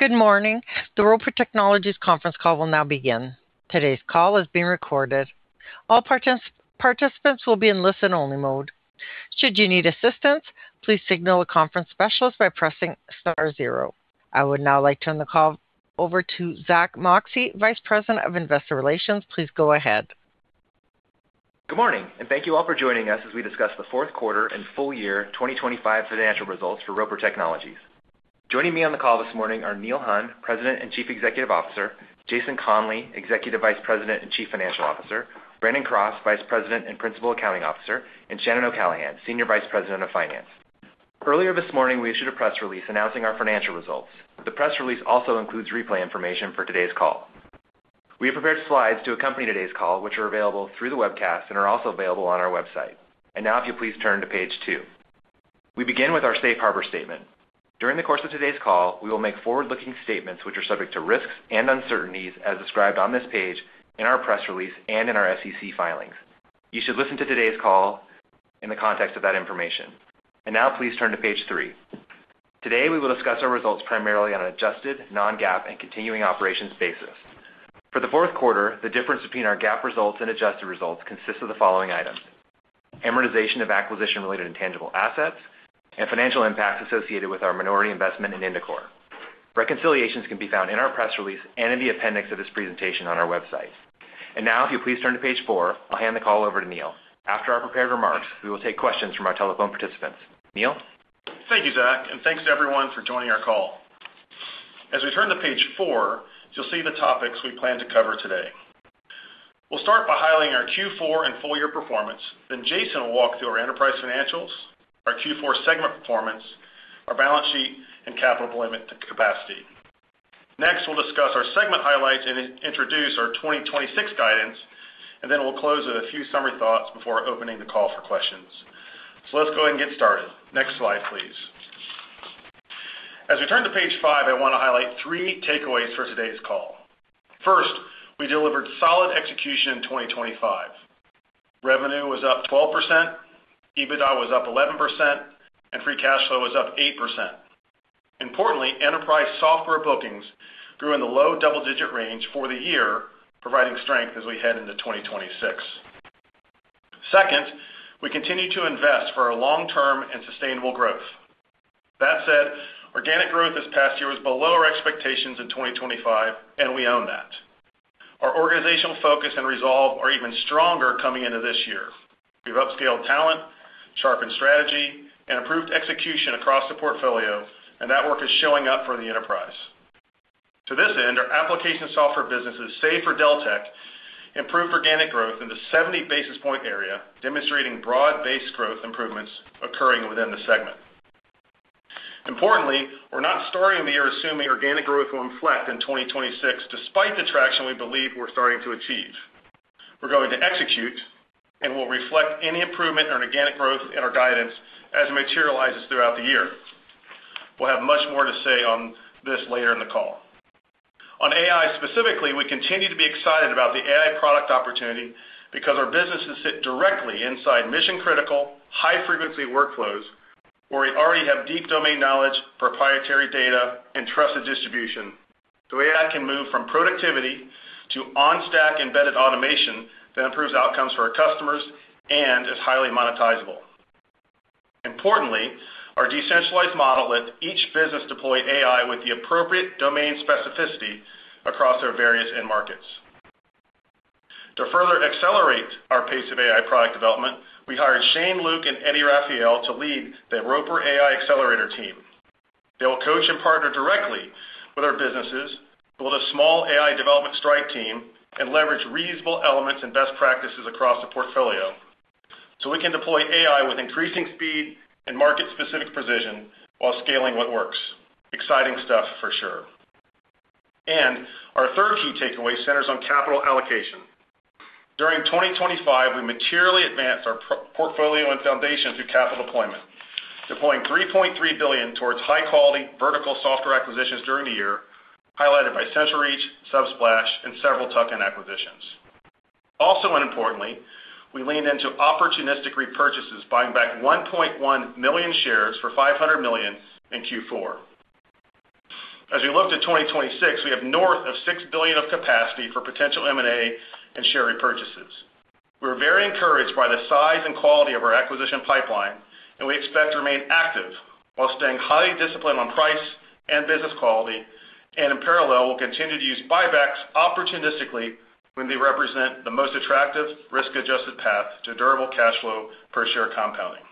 Good morning. The Roper Technologies conference call will now begin. Today's call is being recorded. All participants will be in listen-only mode. Should you need assistance, please signal a conference specialist by pressing star zero. I would now like to turn the call over to Zack Moxcey, Vice President of Investor Relations. Please go ahead. Good morning, and thank you all for joining us as we discuss the fourth quarter and full year 2025 financial results for Roper Technologies. Joining me on the call this morning are Neil Hunn, President and Chief Executive Officer; Jason Conley, Executive Vice President and Chief Financial Officer; Brandon Cross, Vice President and Principal Accounting Officer; and Shannon O'Callaghan, Senior Vice President of Finance. Earlier this morning, we issued a press release announcing our financial results. The press release also includes replay information for today's call. We have prepared slides to accompany today's call, which are available through the webcast and are also available on our website. And now, if you'll please turn to page two. We begin with our Safe Harbor Statement. During the course of today's call, we will make forward-looking statements which are subject to risks and uncertainties, as described on this page in our press release and in our SEC filings. You should listen to today's call in the context of that information. Now, please turn to page three. Today, we will discuss our results primarily on an adjusted, non-GAAP and continuing operations basis. For the fourth quarter, the difference between our GAAP results and adjusted results consists of the following items: amortization of acquisition-related intangible assets and financial impacts associated with our minority investment in Indicor. Reconciliations can be found in our press release and in the appendix of this presentation on our website. Now, if you'll please turn to page four, I'll hand the call over to Neil. After our prepared remarks, we will take questions from our telephone participants. Neil? Thank you, Zack, and thanks to everyone for joining our call. As we turn to page four, you'll see the topics we plan to cover today. We'll start by highlighting our Q4 and full year performance. Then Jason will walk through our enterprise financials, our Q4 segment performance, our balance sheet, and capital allocation capacity. Next, we'll discuss our segment highlights and introduce our 2026 guidance, and then we'll close with a few summary thoughts before opening the call for questions. So let's go ahead and get started. Next slide, please. As we turn to page five, I want to highlight three takeaways for today's call. First, we delivered solid execution in 2025. Revenue was up 12%, EBITDA was up 11%, and free cash flow was up 8%. Importantly, enterprise software bookings grew in the low double-digit range for the year, providing strength as we head into 2026. Second, we continue to invest for our long-term and sustainable growth. That said, organic growth this past year was below our expectations in 2025, and we own that. Our organizational focus and resolve are even stronger coming into this year. We've upscaled talent, sharpened strategy, and improved execution across the portfolio, and that work is showing up for the enterprise. To this end, our application software business is safe for Deltek, improved organic growth in the 70 basis points area, demonstrating broad-based growth improvements occurring within the segment. Importantly, we're not starting the year assuming organic growth will inflect in 2026, despite the traction we believe we're starting to achieve. We're going to execute, and we'll reflect any improvement in organic growth in our guidance as it materializes throughout the year. We'll have much more to say on this later in the call. On AI specifically, we continue to be excited about the AI product opportunity because our businesses sit directly inside mission-critical, high-frequency workflows where we already have deep domain knowledge, proprietary data, and trusted distribution. The way that can move from productivity to on-stack embedded automation that improves outcomes for our customers and is highly monetizable. Importantly, our decentralized model lets each business deploy AI with the appropriate domain specificity across our various end markets. To further accelerate our pace of AI product development, we hired Shane Luke and Eddy Raphael to lead the Roper AI Accelerator team. They will coach and partner directly with our businesses, build a small AI development strike team, and leverage reasonable elements and best practices across the portfolio so we can deploy AI with increasing speed and market-specific precision while scaling what works. Exciting stuff, for sure. Our third key takeaway centers on capital allocation. During 2025, we materially advanced our portfolio and foundation through capital deployment, deploying $3.3 billion towards high-quality vertical software acquisitions during the year, highlighted by CentralReach, Subsplash, and several tuck-in acquisitions. Also, and importantly, we leaned into opportunistic repurchases, buying back 1.1 million shares for $500 million in Q4. As we look to 2026, we have north of $6 billion of capacity for potential M&A and share repurchases. We're very encouraged by the size and quality of our acquisition pipeline, and we expect to remain active while staying highly disciplined on price and business quality. In parallel, we'll continue to use buybacks opportunistically when they represent the most attractive risk-adjusted path to durable cash flow per share compounding.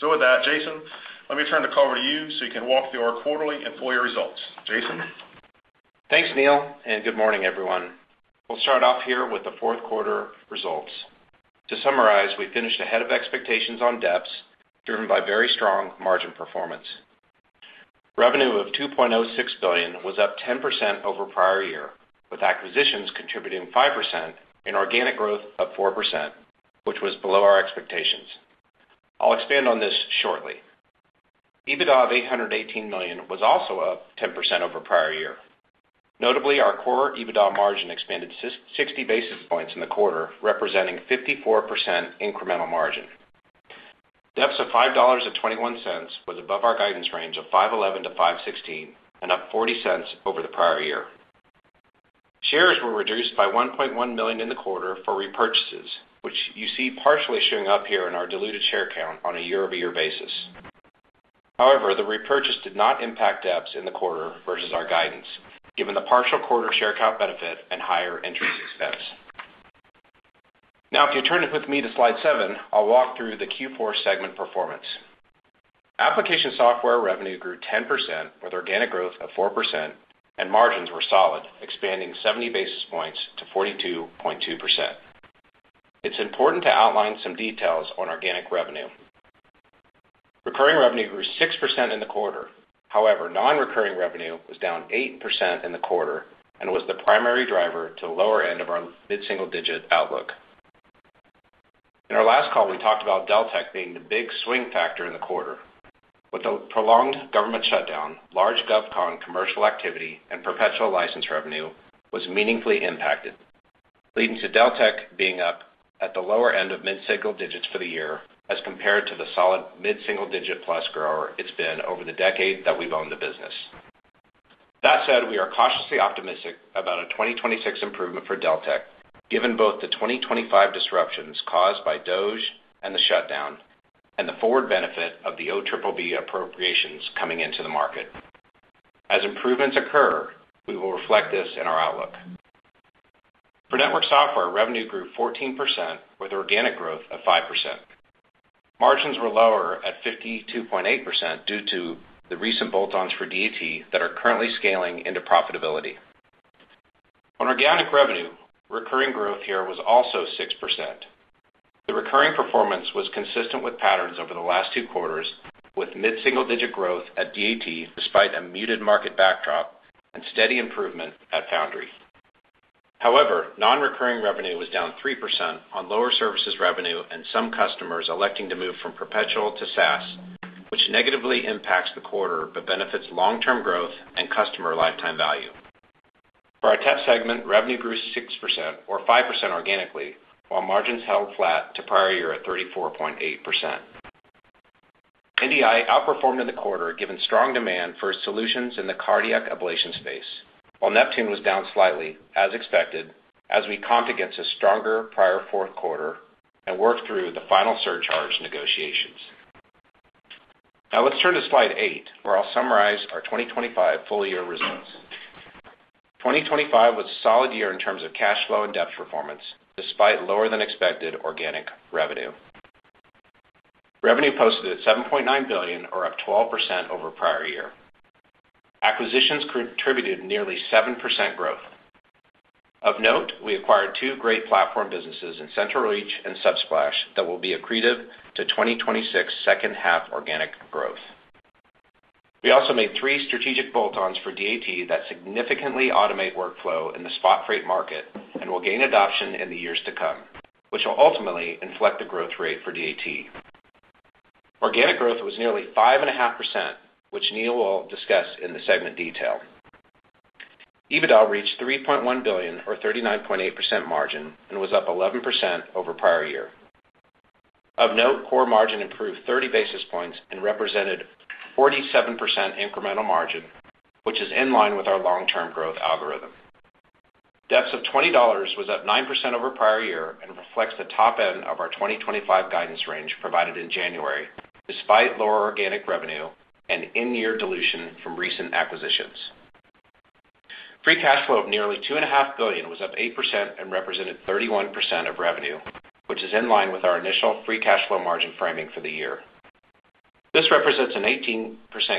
So with that, Jason, let me turn the call over to you so you can walk through our quarterly and full year results. Jason? Thanks, Neil, and good morning, everyone. We'll start off here with the fourth quarter results. To summarize, we finished ahead of expectations on DEPS, driven by very strong margin performance. Revenue of $2.06 billion was up 10% over prior year, with acquisitions contributing 5% and organic growth of 4%, which was below our expectations. I'll expand on this shortly. EBITDA of $818 million was also up 10% over prior year. Notably, our core EBITDA margin expanded 60 basis points in the quarter, representing 54% incremental margin. DEPS of $5.21 was above our guidance range of $5.11-$5.16 and up $0.40 over the prior year. Shares were reduced by 1.1 million in the quarter for repurchases, which you see partially showing up here in our diluted share count on a year-over-year basis. However, the repurchase did not impact DEPS in the quarter versus our guidance, given the partial quarter share count benefit and higher entry expense. Now, if you turn with me to slide seven, I'll walk through the Q4 segment performance. Application software revenue grew 10% with organic growth of 4%, and margins were solid, expanding 70 basis points to 42.2%. It's important to outline some details on organic revenue. Recurring revenue grew 6% in the quarter. However, non-recurring revenue was down 8% in the quarter and was the primary driver to the lower end of our mid-single digit outlook. In our last call, we talked about Deltek being the big swing factor in the quarter. With the prolonged government shutdown, large GovCon commercial activity, and perpetual license revenue was meaningfully impacted, leading to Deltek being up at the lower end of mid-single digits for the year as compared to the solid mid-single digit plus grower it's been over the decade that we've owned the business. That said, we are cautiously optimistic about a 2026 improvement for Deltek, given both the 2025 disruptions caused by DOGE and the shutdown, and the forward benefit of the Omnibus appropriations coming into the market. As improvements occur, we will reflect this in our outlook. For network software, revenue grew 14% with organic growth of 5%. Margins were lower at 52.8% due to the recent bolt-ons for DAT that are currently scaling into profitability. On organic revenue, recurring growth here was also 6%. The recurring performance was consistent with patterns over the last two quarters, with mid-single digit growth at DAT despite a muted market backdrop and steady improvement at Foundry. However, non-recurring revenue was down 3% on lower services revenue and some customers electing to move from perpetual to SaaS, which negatively impacts the quarter but benefits long-term growth and customer lifetime value. For our tech segment, revenue grew 6% or 5% organically, while margins held flat to prior year at 34.8%. NDI outperformed in the quarter, given strong demand for solutions in the cardiac ablation space, while Neptune was down slightly, as expected, as we comped against a stronger prior fourth quarter and worked through the final surcharge negotiations. Now, let's turn to slide 8, where I'll summarize our 2025 full year results. 2025 was a solid year in terms of cash flow and DEPS performance, despite lower than expected organic revenue. Revenue posted at $7.9 billion, or up 12% over prior year. Acquisitions contributed nearly 7% growth. Of note, we acquired two great platform businesses in CentralReach and Subsplash that will be accretive to 2026 second-half organic growth. We also made three strategic bolt-ons for DAT that significantly automate workflow in the spot freight market and will gain adoption in the years to come, which will ultimately inflect the growth rate for DAT. Organic growth was nearly 5.5%, which Neil will discuss in the segment detail. EBITDA reached $3.1 billion, or 39.8% margin, and was up 11% over prior year. Of note, core margin improved 30 basis points and represented 47% incremental margin, which is in line with our long-term growth algorithm. DEPS of $20 was up 9% over prior year and reflects the top end of our 2025 guidance range provided in January, despite lower organic revenue and in-year dilution from recent acquisitions. Free cash flow of nearly $2.5 billion was up 8% and represented 31% of revenue, which is in line with our initial free cash flow margin framing for the year. This represents an 18%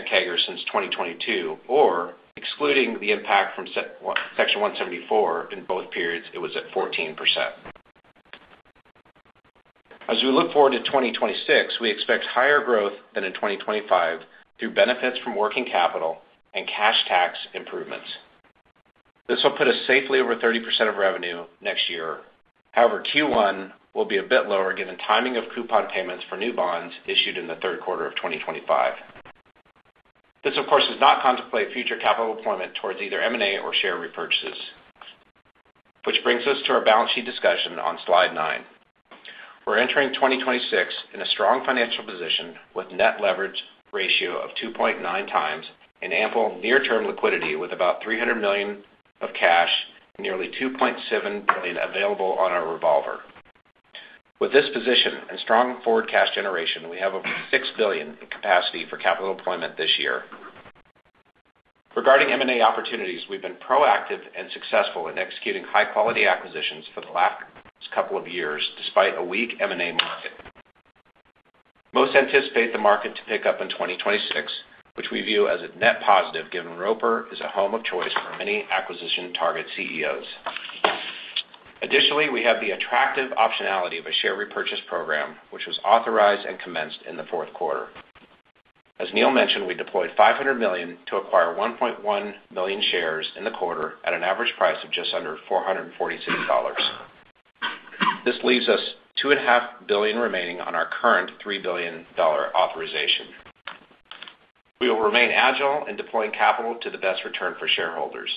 CAGR since 2022, or excluding the impact from Section 174 in both periods, it was at 14%. As we look forward to 2026, we expect higher growth than in 2025 through benefits from working capital and cash tax improvements. This will put us safely over 30% of revenue next year. However, Q1 will be a bit lower given timing of coupon payments for new bonds issued in the third quarter of 2025. This, of course, does not contemplate future capital deployment towards either M&A or share repurchases, which brings us to our balance sheet discussion on slide nine. We're entering 2026 in a strong financial position with net leverage ratio of 2.9 times and ample near-term liquidity with about $300 million of cash and nearly $2.7 billion available on our revolver. With this position and strong forward cash generation, we have over $6 billion in capacity for capital deployment this year. Regarding M&A opportunities, we've been proactive and successful in executing high-quality acquisitions for the last couple of years despite a weak M&A market. Most anticipate the market to pick up in 2026, which we view as a net positive given Roper is a home of choice for many acquisition target CEOs. Additionally, we have the attractive optionality of a share repurchase program, which was authorized and commenced in the fourth quarter. As Neil mentioned, we deployed $500 million to acquire 1.1 million shares in the quarter at an average price of just under $446. This leaves us $2.5 billion remaining on our current $3 billion authorization. We will remain agile in deploying capital to the best return for shareholders.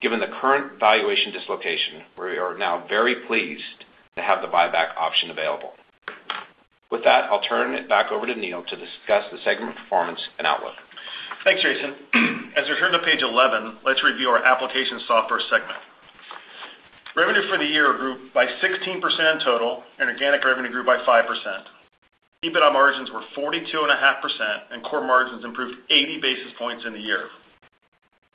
Given the current valuation dislocation, we are now very pleased to have the buyback option available. With that, I'll turn it back over to Neil to discuss the segment performance and outlook. Thanks, Jason. As we turn to page 11, let's review our application software segment. Revenue for the year grew by 16% in total, and organic revenue grew by 5%. EBITDA margins were 42.5%, and core margins improved 80 basis points in the year.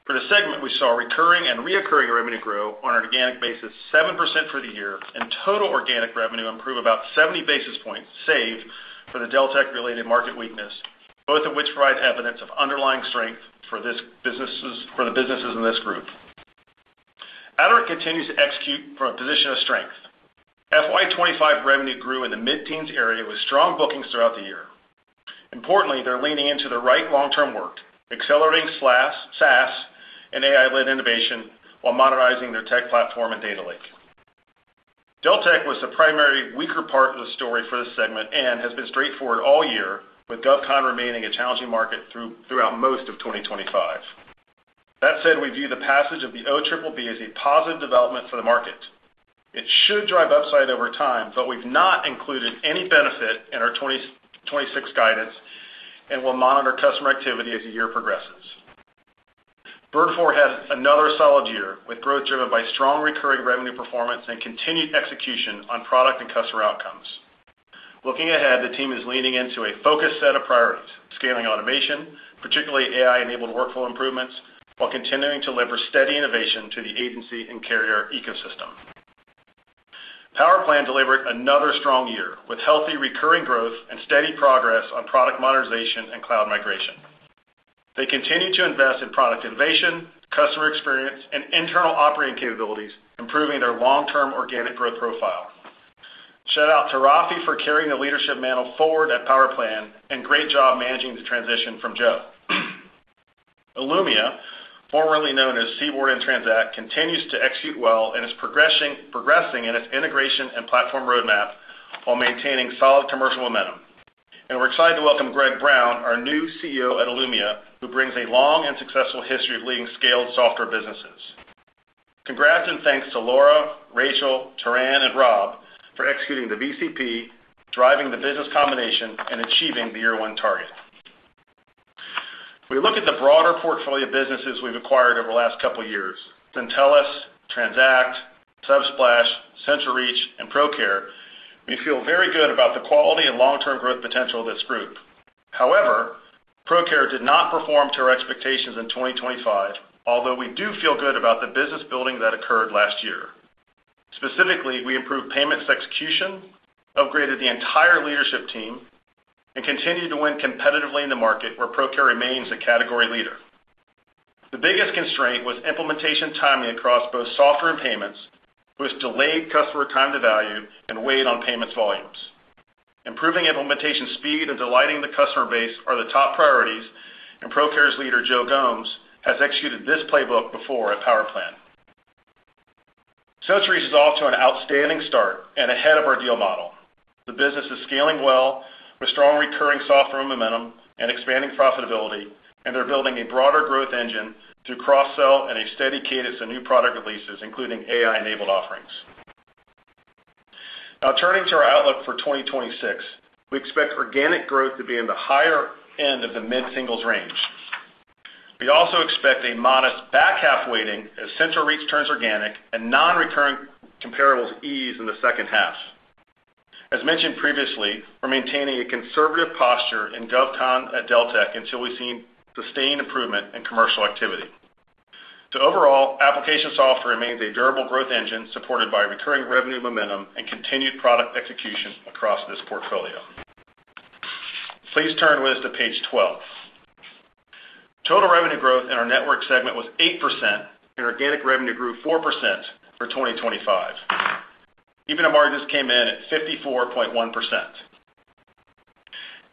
For the segment, we saw recurring and reoccurring revenue grow on an organic basis 7% for the year, and total organic revenue improved about 70 basis points save for the Deltek-related market weakness, both of which provide evidence of underlying strength for the businesses in this group. Aderant continues to execute from a position of strength. FY2025 revenue grew in the mid-teens area with strong bookings throughout the year. Importantly, they're leaning into the right long-term work, accelerating SaaS and AI-led innovation while modernizing their tech platform and data lake. Deltek was the primary weaker part of the story for this segment and has been straightforward all year, with GovCon remaining a challenging market throughout most of 2025. That said, we view the passage of the Omnibus as a positive development for the market. It should drive upside over time, but we've not included any benefit in our 2026 guidance and will monitor customer activity as the year progresses. Vertafore has another solid year with growth driven by strong recurring revenue performance and continued execution on product and customer outcomes. Looking ahead, the team is leaning into a focused set of priorities, scaling automation, particularly AI-enabled workflow improvements, while continuing to leverage steady innovation to the agency and carrier ecosystem. PowerPlan delivered another strong year with healthy recurring growth and steady progress on product modernization and cloud migration. They continue to invest in product innovation, customer experience, and internal operating capabilities, improving their long-term organic growth profile. Shout out to Raffi for carrying the leadership mantle forward at PowerPlan, and great job managing the transition from Joe. Illumia, formerly known as Seaward and Transact, continues to execute well and is progressing in its integration and platform roadmap while maintaining solid commercial momentum. And we're excited to welcome Greg Brown, our new CEO at Illumia, who brings a long and successful history of leading scaled software businesses. Congrats and thanks to Laura, Rachel, Taran, and Rob for executing the VCP, driving the business combination, and achieving the year-one target. We look at the broader portfolio of businesses we've acquired over the last couple of years, Syntellis, Transact, Subsplash, CentralReach, and Procare. We feel very good about the quality and long-term growth potential of this group. However, Proca did not perform to our expectations in 2025, although we do feel good about the business building that occurred last year. Specifically, we improved payments execution, upgraded the entire leadership team, and continue to win competitively in the market where Proca remains a category leader. The biggest constraint was implementation timing across both software and payments, which delayed customer time to value and weighed on payments volumes. Improving implementation speed and delighting the customer base are the top priorities, and Procare's leader, Joe Gomes, has executed this playbook before at PowerPlan. CentralReach is off to an outstanding start and ahead of our deal model. The business is scaling well with strong recurring software momentum and expanding profitability, and they're building a broader growth engine through cross-sell and a steady cadence of new product releases, including AI-enabled offerings. Now, turning to our outlook for 2026, we expect organic growth to be in the higher end of the mid-singles range. We also expect a modest back half weighting as CentralReach turns organic and non-recurring comparables ease in the second half. As mentioned previously, we're maintaining a conservative posture in GovCon at Deltek until we see sustained improvement in commercial activity. So overall, application software remains a durable growth engine supported by recurring revenue momentum and continued product execution across this portfolio. Please turn with us to page 12. Total revenue growth in our network segment was 8%, and organic revenue grew 4% for 2025. EBITDA margins came in at 54.1%.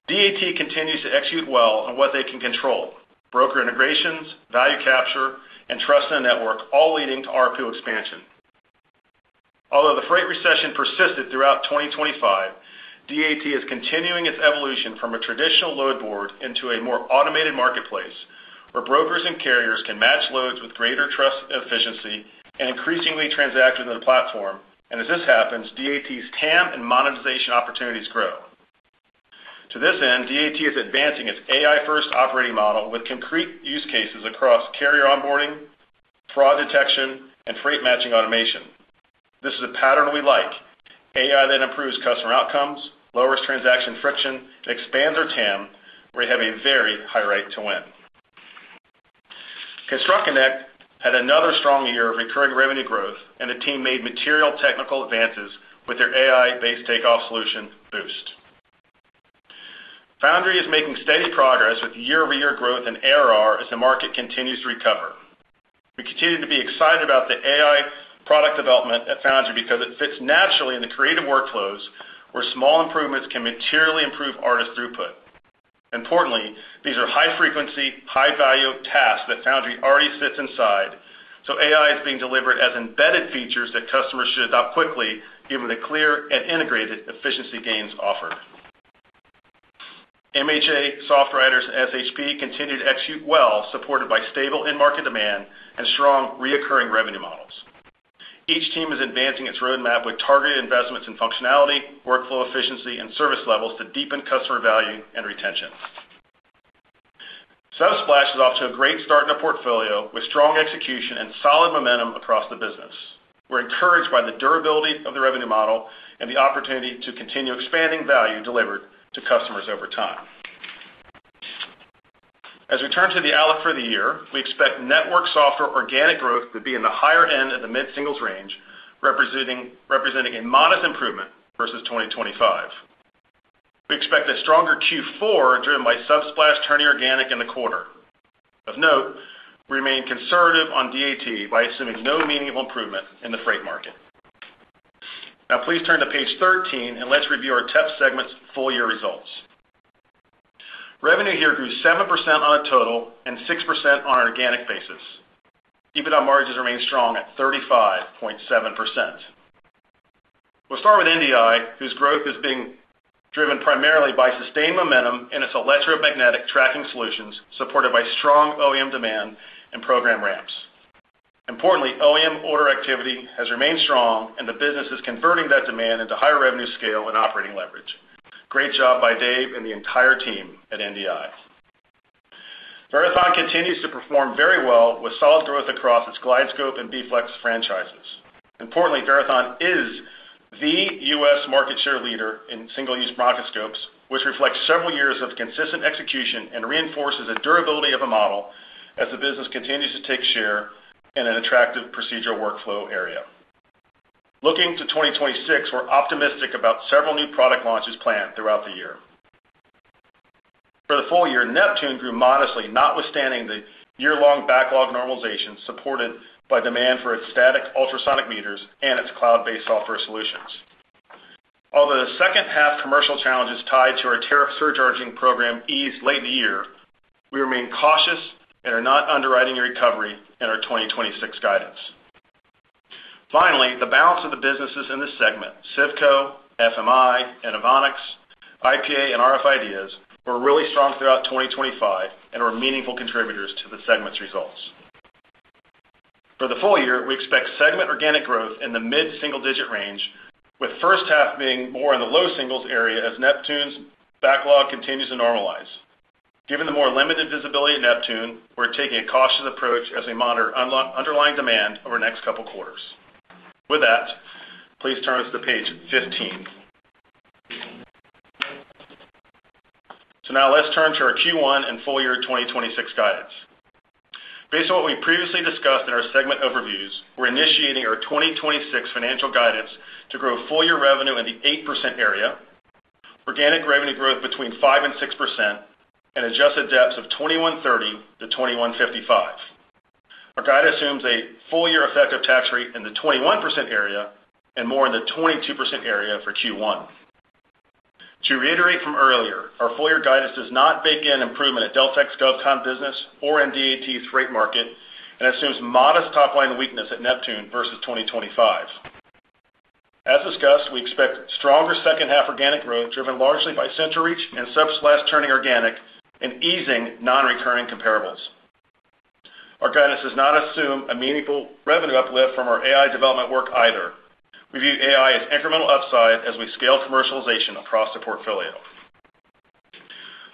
DAT continues to execute well on what they can control: broker integrations, value capture, and trust in the network, all leading to RPO expansion. Although the freight recession persisted throughout 2025, DAT is continuing its evolution from a traditional load board into a more automated marketplace where brokers and carriers can match loads with greater trust efficiency and increasingly transact within the platform. As this happens, DAT's TAM and monetization opportunities grow. To this end, DAT is advancing its AI-first operating model with concrete use cases across carrier onboarding, fraud detection, and freight matching automation. This is a pattern we like. AI then improves customer outcomes, lowers transaction friction, and expands our TAM, where we have a very high rate to win. ConstructConnect had another strong year of recurring revenue growth, and the team made material technical advances with their AI-based takeoff solution, Boost. Foundry is making steady progress with year-over-year growth and ARR as the market continues to recover. We continue to be excited about the AI product development at Foundry because it fits naturally in the creative workflows where small improvements can materially improve artist throughput. Importantly, these are high-frequency, high-value tasks that Foundry already sits inside, so AI is being delivered as embedded features that customers should adopt quickly, given the clear and integrated efficiency gains offered. MHA, SoftWriters, and SHP continue to execute well, supported by stable in-market demand and strong recurring revenue models. Each team is advancing its roadmap with targeted investments in functionality, workflow efficiency, and service levels to deepen customer value and retention. Subsplash is off to a great start in the portfolio with strong execution and solid momentum across the business. We're encouraged by the durability of the revenue model and the opportunity to continue expanding value delivered to customers over time. As we turn to the outlook for the year, we expect network software organic growth to be in the higher end of the mid-singles range, representing a modest improvement versus 2025. We expect a stronger Q4 driven by Subsplash turning organic in the quarter. Of note, we remain conservative on DAT by assuming no meaningful improvement in the freight market. Now, please turn to page 13, and let's review our TEP segment's full year results. Revenue here grew 7% on a total and 6% on an organic basis. EBITDA margins remain strong at 35.7%. We'll start with NDI, whose growth is being driven primarily by sustained momentum in its electromagnetic tracking solutions, supported by strong OEM demand and program ramps. Importantly, OEM order activity has remained strong, and the business is converting that demand into higher revenue scale and operating leverage. Great job by Dave and the entire team at NDI. Verathon continues to perform very well with solid growth across its GlideScope and BFlex franchises. Importantly, Verathon is the U.S. market share leader in single-use bronchoscopes, which reflects several years of consistent execution and reinforces the durability of the model as the business continues to take share in an attractive procedural workflow area. Looking to 2026, we're optimistic about several new product launches planned throughout the year. For the full year, Neptune grew modestly, notwithstanding the year-long backlog normalization supported by demand for its static ultrasonic meters and its cloud-based software solutions. Although the second-half commercial challenges tied to our tariff surcharging program eased late in the year, we remain cautious and are not underwriting a recovery in our 2026 guidance. Finally, the balance of the businesses in this segment, CIVCO, FMI, and Inovonics, IPA, and RF IDeas, were really strong throughout 2025 and were meaningful contributors to the segment's results. For the full year, we expect segment organic growth in the mid-single-digit range, with first half being more in the low singles area as Neptune's backlog continues to normalize. Given the more limited visibility of Neptune, we're taking a cautious approach as we monitor underlying demand over the next couple of quarters. With that, please turn to page 15. So now let's turn to our Q1 and full year 2026 guidance. Based on what we previously discussed in our segment overviews, we're initiating our 2026 financial guidance to grow full year revenue in the 8% area, organic revenue growth between 5% and 6%, and adjusted DEPS of $21.30-$21.55. Our guidance assumes a full year effective tax rate in the 21% area and more in the 22% area for Q1. To reiterate from earlier, our full year guidance does not bake in improvement at Deltek's GovCon business or in DAT's freight market and assumes modest top-line weakness at Neptune versus 2025. As discussed, we expect stronger second-half organic growth driven largely by CentralReach and Subsplash turning organic and easing non-recurring comparables. Our guidance does not assume a meaningful revenue uplift from our AI development work either. We view AI as incremental upside as we scale commercialization across the portfolio.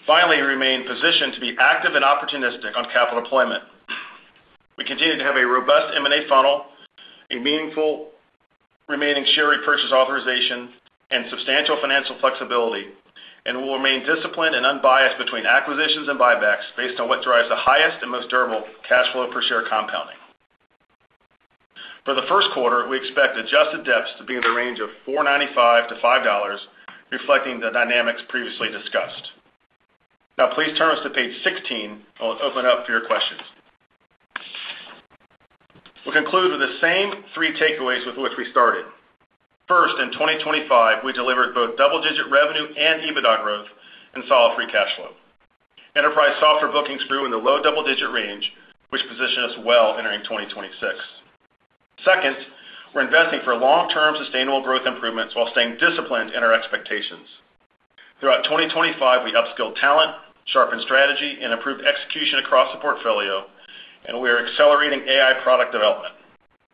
Finally, we remain positioned to be active and opportunistic on capital deployment. We continue to have a robust M&A funnel, a meaningful remaining share repurchase authorization, and substantial financial flexibility, and we'll remain disciplined and unbiased between acquisitions and buybacks based on what drives the highest and most durable cash flow per share compounding. For the first quarter, we expect adjusted DEPS to be in the range of $4.95-$5.05, reflecting the dynamics previously discussed. Now, please turn to page 16, and we'll open up for your questions. We'll conclude with the same three takeaways with which we started. First, in 2025, we delivered both double-digit revenue and EBITDA growth and solid free cash flow. Enterprise software bookings grew in the low double-digit range, which positioned us well entering 2026. Second, we're investing for long-term sustainable growth improvements while staying disciplined in our expectations. Throughout 2025, we upskilled talent, sharpened strategy, and improved execution across the portfolio, and we are accelerating AI product development.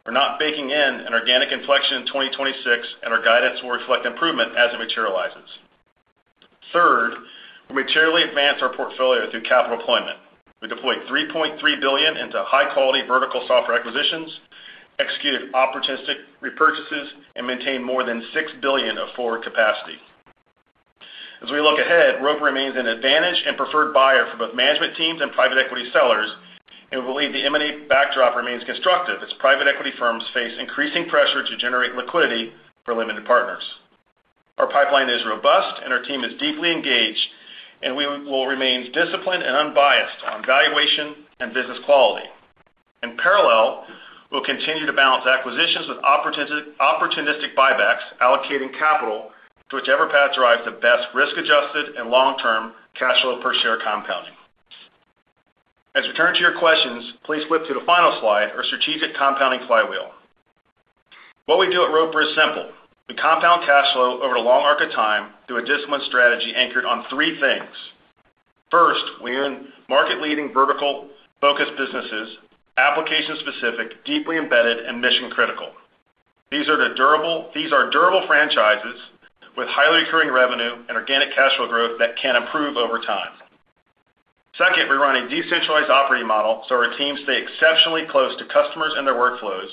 We're not baking in an organic inflection in 2026, and our guidance will reflect improvement as it materializes. Third, we materially advanced our portfolio through capital deployment. We deployed $3.3 billion into high-quality vertical software acquisitions, executed opportunistic repurchases, and maintained more than $6 billion of forward capacity. As we look ahead, Roper remains an advantage and preferred buyer for both management teams and private equity sellers, and we believe the M&A backdrop remains constructive as private equity firms face increasing pressure to generate liquidity for limited partners. Our pipeline is robust, and our team is deeply engaged, and we will remain disciplined and unbiased on valuation and business quality. In parallel, we'll continue to balance acquisitions with opportunistic buybacks, allocating capital to whichever path drives the best risk-adjusted and long-term cash flow per share compounding. As we turn to your questions, please flip to the final slide, our strategic compounding flywheel. What we do at Roper is simple. We compound cash flow over a long arc of time through a disciplined strategy anchored on three things. First, we earn market-leading vertical-focused businesses, application-specific, deeply embedded, and mission-critical. These are durable franchises with highly recurring revenue and organic cash flow growth that can improve over time. Second, we run a decentralized operating model so our teams stay exceptionally close to customers and their workflows,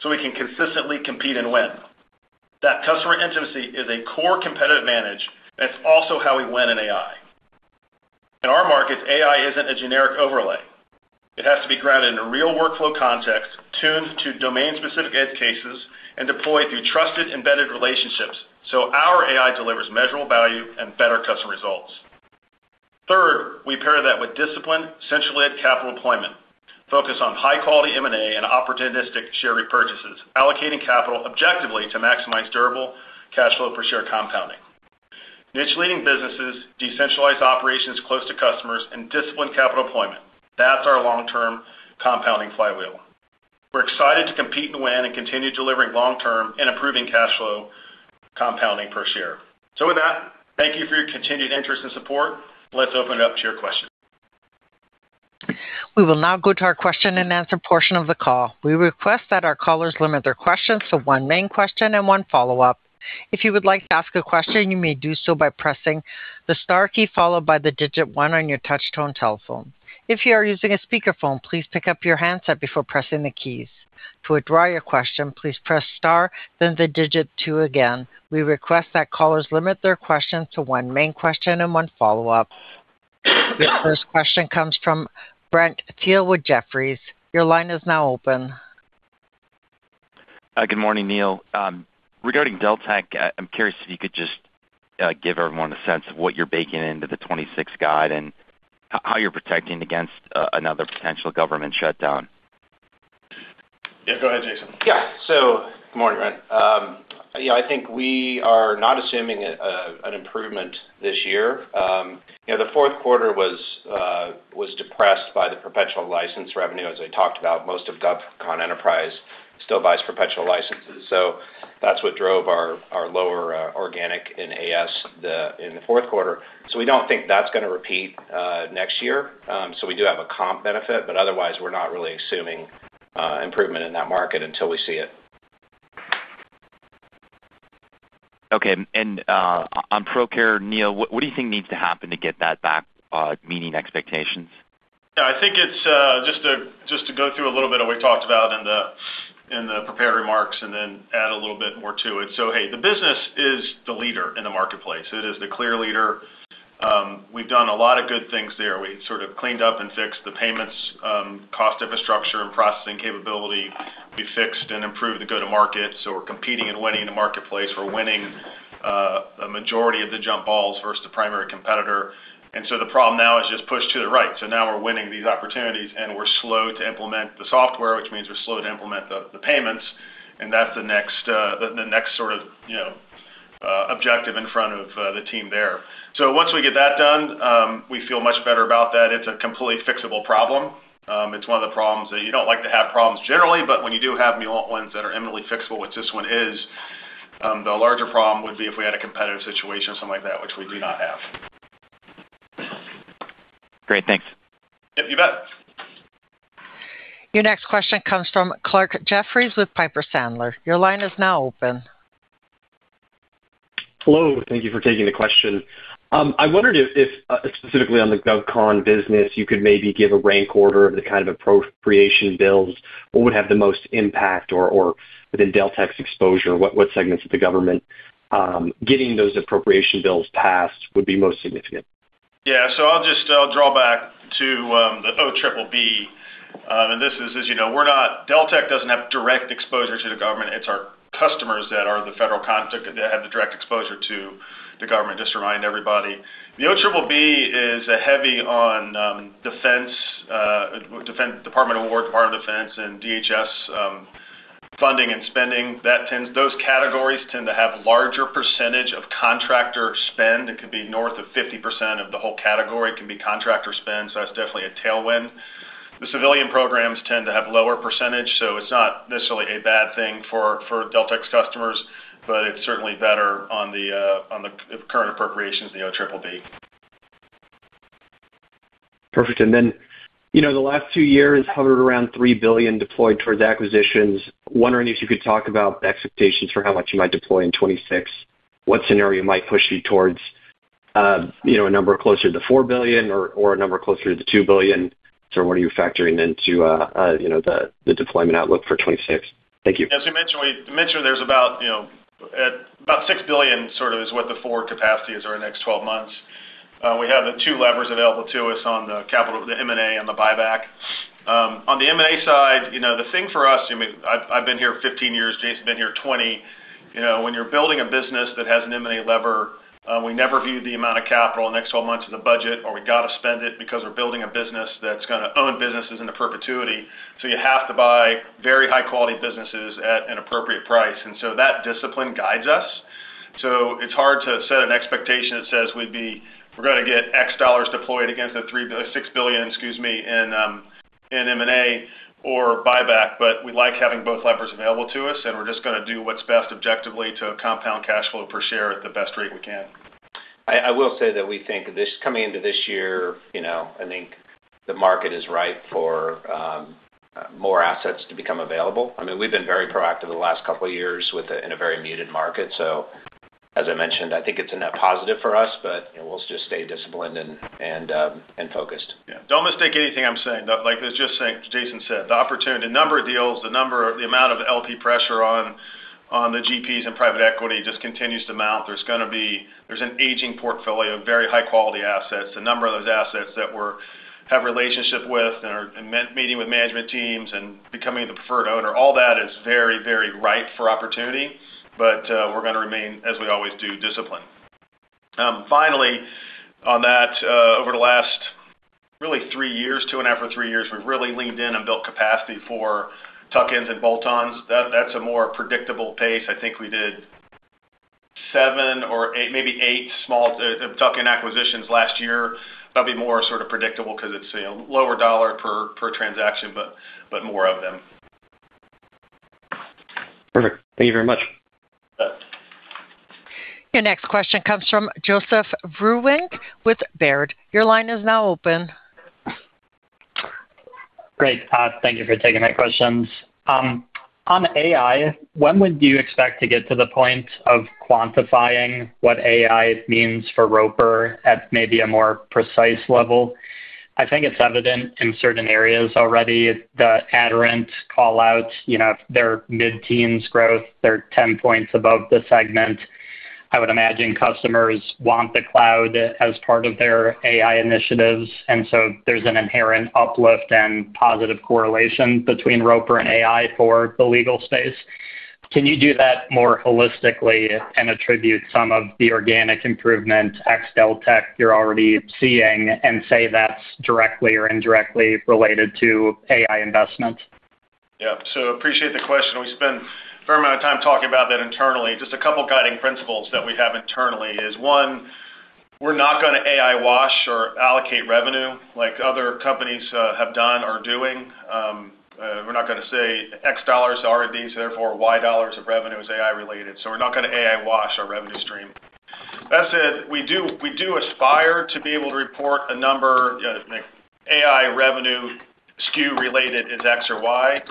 so we can consistently compete and win. That customer intimacy is a core competitive advantage, and it's also how we win in AI. In our markets, AI isn't a generic overlay. It has to be grounded in a real workflow context, tuned to domain-specific edge cases, and deployed through trusted embedded relationships so our AI delivers measurable value and better customer results. Third, we pair that with discipline, centralized capital deployment, focus on high-quality M&A and opportunistic share repurchases, allocating capital objectively to maximize durable cash flow per share compounding. Niche-leading businesses, decentralized operations close to customers, and disciplined capital deployment. That's our long-term compounding flywheel. We're excited to compete and win and continue delivering long-term and improving cash flow compounding per share. So with that, thank you for your continued interest and support. Let's open it up to your questions. We will now go to our question and answer portion of the call. We request that our callers limit their questions to one main question and one follow-up. If you would like to ask a question, you may do so by pressing the star key followed by the digit one on your touch-tone telephone. If you are using a speakerphone, please pick up your handset before pressing the keys. To withdraw your question, please press star, then the digit two again. We request that callers limit their questions to one main question and one follow-up. The first question comes from Brent Thill with Jefferies. Your line is now open. Good morning, Neil. Regarding Deltek, I'm curious if you could just give everyone a sense of what you're baking into the 2026 guide and how you're protecting against another potential government shutdown? Yeah, go ahead, Jason. Yeah. So good morning, Brent. I think we are not assuming an improvement this year. The fourth quarter was depressed by the perpetual license revenue, as I talked about. Most of GovCon Enterprise still buys perpetual licenses. So that's what drove our lower organic in AS in the fourth quarter. So we don't think that's going to repeat next year. So we do have a comp benefit, but otherwise, we're not really assuming improvement in that market until we see it. Okay. On Procare, Neil, what do you think needs to happen to get that back meeting expectations? Yeah. I think it's just to go through a little bit of what we talked about in the prepared remarks and then add a little bit more to it. So hey, the business is the leader in the marketplace. It is the clear leader. We've done a lot of good things there. We sort of cleaned up and fixed the payments, cost infrastructure, and processing capability. We fixed and improved the go-to-market. So we're competing and winning in the marketplace. We're winning a majority of the jump balls versus the primary competitor. And so the problem now is just pushed to the right. So now we're winning these opportunities, and we're slow to implement the software, which means we're slow to implement the payments. And that's the next sort of objective in front of the team there. So once we get that done, we feel much better about that. It's a completely fixable problem. It's one of the problems that you don't like to have problems generally, but when you do have them and you want ones that are eminently fixable, which this one is, the larger problem would be if we had a competitive situation or something like that, which we do not have. Great. Thanks. Yep, you bet. Your next question comes from Clarke Jeffries with Piper Sandler. Your line is now open. Hello. Thank you for taking the question. I wondered if specifically on the GovCon business, you could maybe give a rank order of the kind of appropriation bills. What would have the most impact within Deltek's exposure? What segments of the government getting those appropriation bills passed would be most significant? Yeah. So I'll just draw back to the Omnibus. And this is, as you know, Deltek doesn't have direct exposure to the government. It's our customers that are the federal that have the direct exposure to the government, just to remind everybody. The Omnibus is heavy on Defense, Department of War, Department of Defense, and DHS funding and spending. Those categories tend to have a larger percentage of contractor spend. It could be north of 50% of the whole category. It can be contractor spend, so that's definitely a tailwind. The civilian programs tend to have a lower percentage, so it's not necessarily a bad thing for Deltek's customers, but it's certainly better on the current appropriations, the Omnibus. Perfect. Then the last two years hovered around $3 billion deployed towards acquisitions. Wondering if you could talk about expectations for how much you might deploy in 2026. What scenario might push you towards a number closer to $4 billion or a number closer to $2 billion? What are you factoring into the deployment outlook for 2026? Thank you. As we mentioned, there's about $6 billion sort of is what the forward capacity is over the next 12 months. We have the two levers available to us on the M&A and the buyback. On the M&A side, the thing for us, I've been here 15 years, Jason's been here 20. When you're building a business that has an M&A lever, we never view the amount of capital in the next 12 months as a budget, or we got to spend it because we're building a business that's going to own businesses into perpetuity. So you have to buy very high-quality businesses at an appropriate price. And so that discipline guides us. So it's hard to set an expectation that says we're going to get X dollars deployed against the $6 billion in M&A or buyback, but we like having both levers available to us, and we're just going to do what's best objectively to compound cash flow per share at the best rate we can. I will say that we think this coming into this year, I think the market is ripe for more assets to become available. I mean, we've been very proactive the last couple of years in a very muted market. So as I mentioned, I think it's a net positive for us, but we'll just stay disciplined and focused. Yeah. Don't mistake anything I'm saying. Like Jason said, the number of deals, the amount of LP pressure on the GPs and private equity just continues to mount. There's an aging portfolio of very high-quality assets. The number of those assets that we have a relationship with and are meeting with management teams and becoming the preferred owner, all that is very, very ripe for opportunity. But we're going to remain, as we always do, disciplined. Finally, on that, over the last really three years, two and a half or three years, we've really leaned in and built capacity for tuck-ins and bolt-ons. That's a more predictable pace. I think we did seven or maybe eight small tuck-in acquisitions last year. That'll be more sort of predictable because it's a lower dollar per transaction, but more of them. Perfect. Thank you very much. Your next question comes from Joseph Vruwink with Baird. Your line is now open. Great. Thank you for taking my questions. On AI, when would you expect to get to the point of quantifying what AI means for Roper at maybe a more precise level? I think it's evident in certain areas already. The Aderant callouts, their mid-teens growth, they're 10 points above the segment. I would imagine customers want the cloud as part of their AI initiatives. And so there's an inherent uplift and positive correlation between Roper and AI for the legal space. Can you do that more holistically and attribute some of the organic improvement, ex-Deltek, you're already seeing, and say that's directly or indirectly related to AI investment? Yeah. So appreciate the question. We spend a fair amount of time talking about that internally. Just a couple of guiding principles that we have internally is, one, we're not going to AI wash or allocate revenue like other companies have done or doing. We're not going to say X dollars are R&D, so therefore Y dollars of revenue is AI-related. So we're not going to AI wash our revenue stream. That said, we do aspire to be able to report a number AI revenue SKU-related is X or Y.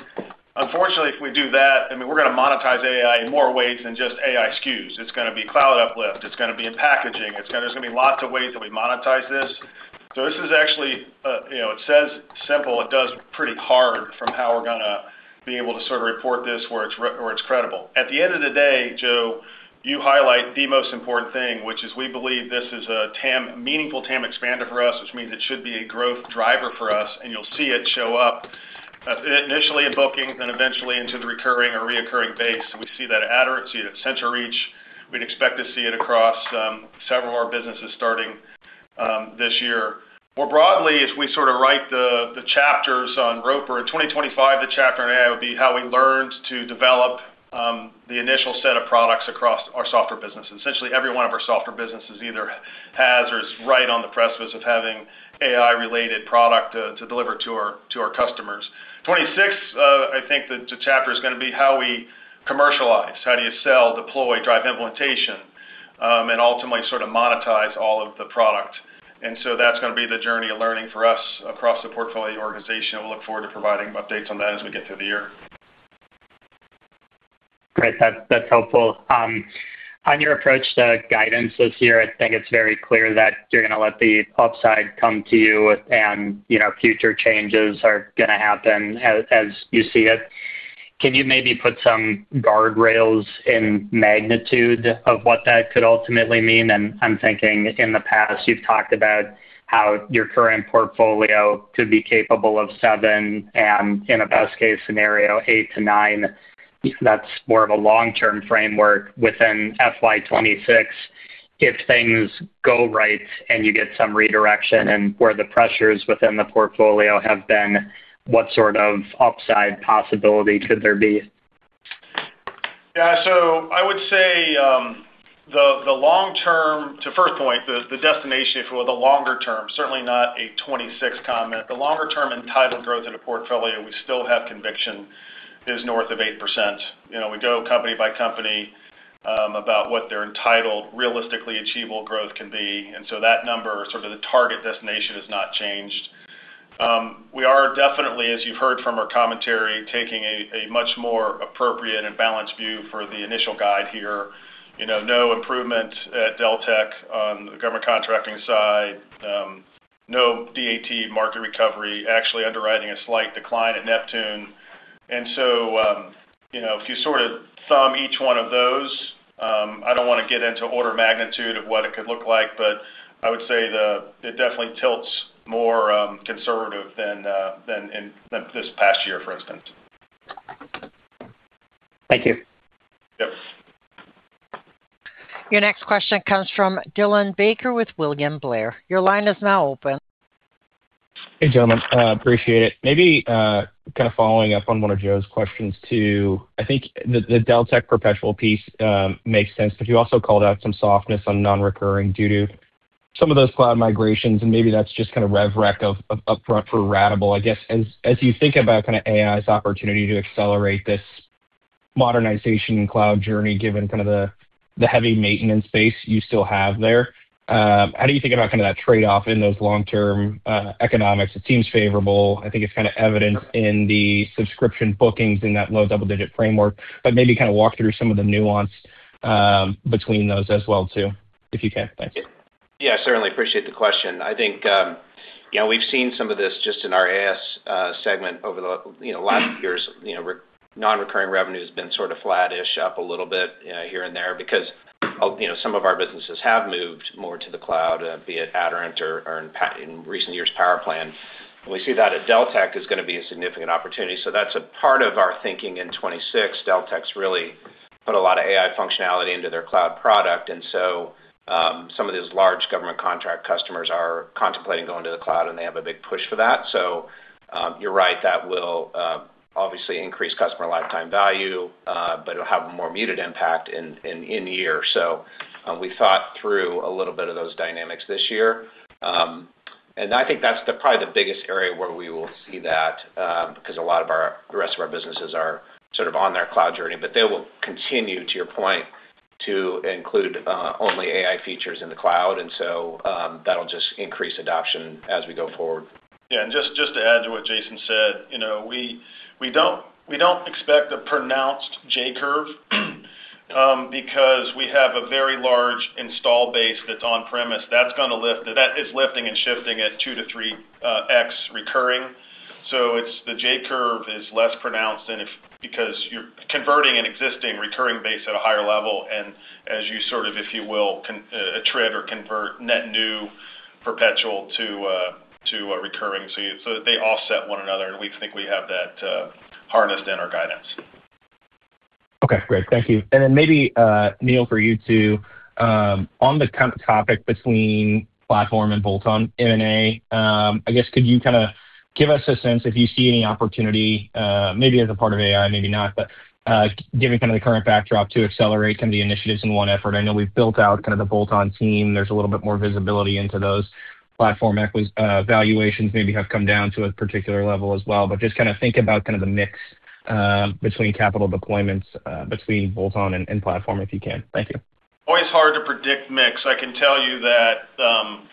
Unfortunately, if we do that, I mean, we're going to monetize AI in more ways than just AI SKUs. It's going to be cloud uplift. It's going to be in packaging. There's going to be lots of ways that we monetize this. So this is actually, it says simple, it does pretty hard from how we're going to be able to sort of report this where it's credible. At the end of the day, Joe, you highlight the most important thing, which is we believe this is a meaningful TAM expander for us, which means it should be a growth driver for us. And you'll see it show up initially in bookings and eventually into the recurring or reoccurring base. We see that at Aderant, see it at CentralReach. We'd expect to see it across several of our businesses starting this year. More broadly, as we sort of write the chapters on Roper, in 2025, the chapter on AI would be how we learned to develop the initial set of products across our software businesses. Essentially, every one of our software businesses either has or is right on the precipice of having AI-related product to deliver to our customers. 2026, I think the chapter is going to be how we commercialize. How do you sell, deploy, drive implementation, and ultimately sort of monetize all of the product? And so that's going to be the journey of learning for us across the portfolio organization. We'll look forward to providing updates on that as we get through the year. Great. That's helpful. On your approach to guidance this year, I think it's very clear that you're going to let the upside come to you and future changes are going to happen as you see it. Can you maybe put some guardrails in magnitude of what that could ultimately mean? And I'm thinking in the past, you've talked about how your current portfolio could be capable of 7 and, in a best-case scenario, 8-9. That's more of a long-term framework within FY 2026. If things go right and you get some redirection and where the pressures within the portfolio have been, what sort of upside possibility could there be? Yeah. So I would say the long-term, to first point, the destination, if it were the longer term, certainly not a 2026 comment. The longer-term entitled growth in a portfolio, we still have conviction is north of 8%. We go company by company about what their entitled, realistically achievable growth can be. And so that number, sort of the target destination, has not changed. We are definitely, as you've heard from our commentary, taking a much more appropriate and balanced view for the initial guide here. No improvement at Deltek on the government contracting side. No DAT market recovery. Actually underwriting a slight decline at Neptune. And so if you sort of thumb each one of those, I don't want to get into order of magnitude of what it could look like, but I would say it definitely tilts more conservative than this past year, for instance. Thank you. Yep. Your next question comes from Dylan Becker with William Blair. Your line is now open. Hey, gentlemen. Appreciate it. Maybe kind of following up on one of Joe's questions too, I think the Deltek perpetual piece makes sense, but you also called out some softness on non-recurring due to some of those cloud migrations. Maybe that's just kind of rev rec of upfront for ratable. I guess as you think about kind of AI's opportunity to accelerate this modernization and cloud journey, given kind of the heavy maintenance space you still have there, how do you think about kind of that trade-off in those long-term economics? It seems favorable. I think it's kind of evident in the subscription bookings in that low double-digit framework, but maybe kind of walk through some of the nuance between those as well too, if you can. Thanks. Yeah. Certainly. Appreciate the question. I think we've seen some of this just in our AS segment over the last years. Non-recurring revenue has been sort of flattish up a little bit here and there because some of our businesses have moved more to the cloud, be it Aderant or in recent years, PowerPlan. We see that at Deltek is going to be a significant opportunity. So that's a part of our thinking in 2026. Deltek's really put a lot of AI functionality into their cloud product. And so some of these large government contract customers are contemplating going to the cloud, and they have a big push for that. So you're right, that will obviously increase customer lifetime value, but it'll have a more muted impact in year. So we thought through a little bit of those dynamics this year. I think that's probably the biggest area where we will see that because a lot of the rest of our businesses are sort of on their cloud journey. They will continue, to your point, to include only AI features in the cloud. That'll just increase adoption as we go forward. Yeah. And just to add to what Jason said, we don't expect a pronounced J curve because we have a very large install base that's on-premise. That's going to lift that is lifting and shifting at 2-3x recurring. So the J curve is less pronounced because you're converting an existing recurring base at a higher level. And as you sort of, if you will, trade or convert net new perpetual to recurring. So they offset one another, and we think we have that harnessed in our guidance. Okay. Great. Thank you. And then maybe, Neil, for you too, on the topic between platform and bolt-on M&A, I guess could you kind of give us a sense if you see any opportunity, maybe as a part of AI, maybe not, but given kind of the current backdrop to accelerate some of the initiatives in one effort? I know we've built out kind of the bolt-on team. There's a little bit more visibility into those. Platform valuations maybe have come down to a particular level as well. But just kind of think about kind of the mix between capital deployments, between bolt-on and platform, if you can. Thank you. Always hard to predict mix. I can tell you that,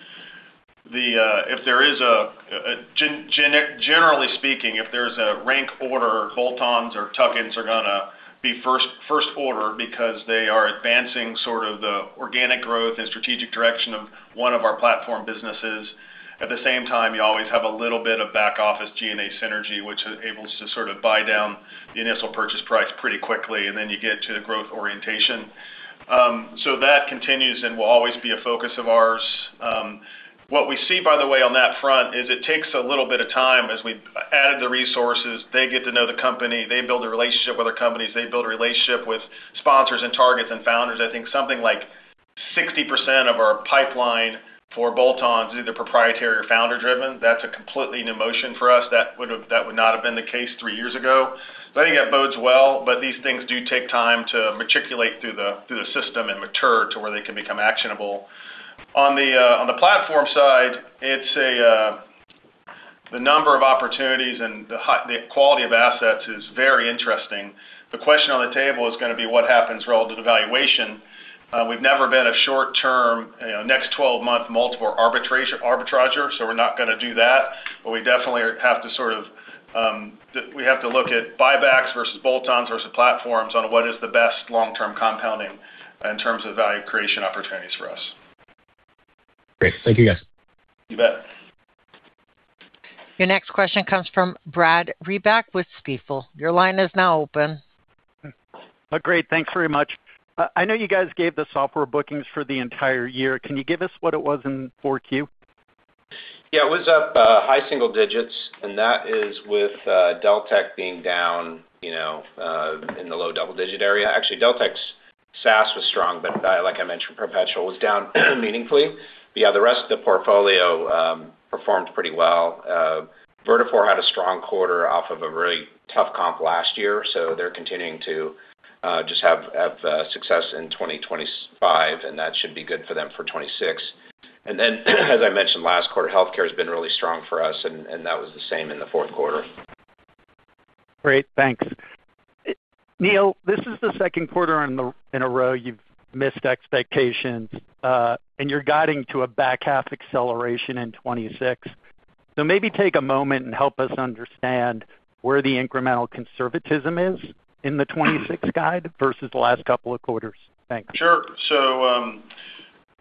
generally speaking, if there's a rank order, bolt-ons or tuck-ins are going to be first order because they are advancing sort of the organic growth and strategic direction of one of our platform businesses. At the same time, you always have a little bit of back-office G&A synergy, which enables to sort of buy down the initial purchase price pretty quickly, and then you get to the growth orientation. So that continues and will always be a focus of ours. What we see, by the way, on that front is it takes a little bit of time as we added the resources. They get to know the company. They build a relationship with our companies. They build a relationship with sponsors and targets and founders. I think something like 60% of our pipeline for bolt-ons is either proprietary or founder-driven. That's a completely new motion for us. That would not have been the case three years ago. So I think it bodes well, but these things do take time to matriculate through the system and mature to where they can become actionable. On the platform side, the number of opportunities and the quality of assets is very interesting. The question on the table is going to be what happens relative to valuation. We've never been a short-term, next 12-month multiple arbitrager, so we're not going to do that. But we definitely have to sort of look at buybacks versus bolt-ons versus platforms on what is the best long-term compounding in terms of value creation opportunities for us. Great. Thank you, guys. You bet. Your next question comes from Brad Reback with Stifel. Your line is now open. Oh, great. Thanks very much. I know you guys gave the software bookings for the entire year. Can you give us what it was in for Q? Yeah. It was up high single digits, and that is with Deltek being down in the low double-digit area. Actually, Deltek's SaaS was strong, but like I mentioned, perpetual was down meaningfully. But yeah, the rest of the portfolio performed pretty well. Vertafore had a strong quarter off of a really tough comp last year, so they're continuing to just have success in 2025, and that should be good for them for 2026. And then, as I mentioned, last quarter, healthcare has been really strong for us, and that was the same in the fourth quarter. Great. Thanks. Neil, this is the second quarter in a row you've missed expectations, and you're guiding to a back half acceleration in 2026. So maybe take a moment and help us understand where the incremental conservatism is in the 2026 guide versus the last couple of quarters. Thanks. Sure. So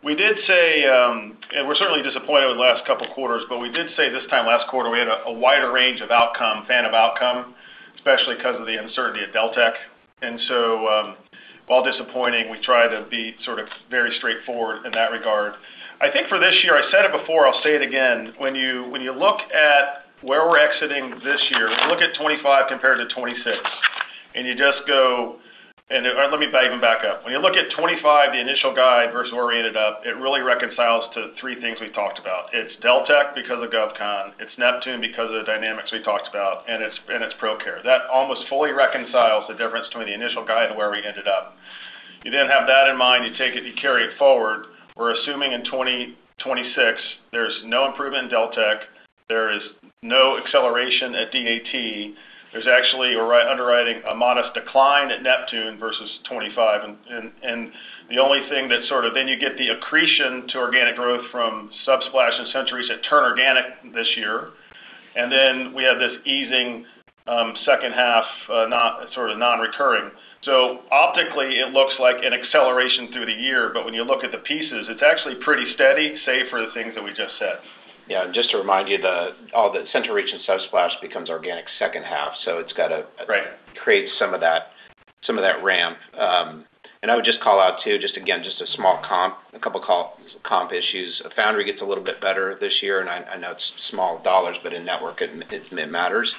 we did say, and we're certainly disappointed with the last couple of quarters, but we did say this time last quarter, we had a wider range of outcomes, range of outcomes, especially because of the uncertainty at Deltek. And so while disappointing, we try to be sort of very straightforward in that regard. I think for this year, I said it before, I'll say it again. When you look at where we're exiting this year, when you look at 2025 compared to 2026, and you just go and let me even back up. When you look at 2025, the initial guide versus where we ended up, it really reconciles to three things we've talked about. It's Deltek because of GovCon. It's Neptune because of the dynamics we talked about, and it's Procare. That almost fully reconciles the difference between the initial guide and where we ended up. You then have that in mind, you take it, you carry it forward. We're assuming in 2026, there's no improvement in Deltek. There is no acceleration at DAT. There's actually underwriting a modest decline at Neptune versus 2025. And the only thing that sort of then you get the accretion to organic growth from Subsplash and CentralReach that turn organic this year. And then we have this easing second half, sort of non-recurring. So optically, it looks like an acceleration through the year, but when you look at the pieces, it's actually pretty steady, save for the things that we just said. Yeah. And just to remind you, all the CentralReach and Subsplash becomes organic second half. So it's got to create some of that ramp. And I would just call out too, just again, just a small comp, a couple of comp issues. Foundry gets a little bit better this year, and I know it's small dollars, but in network, it matters.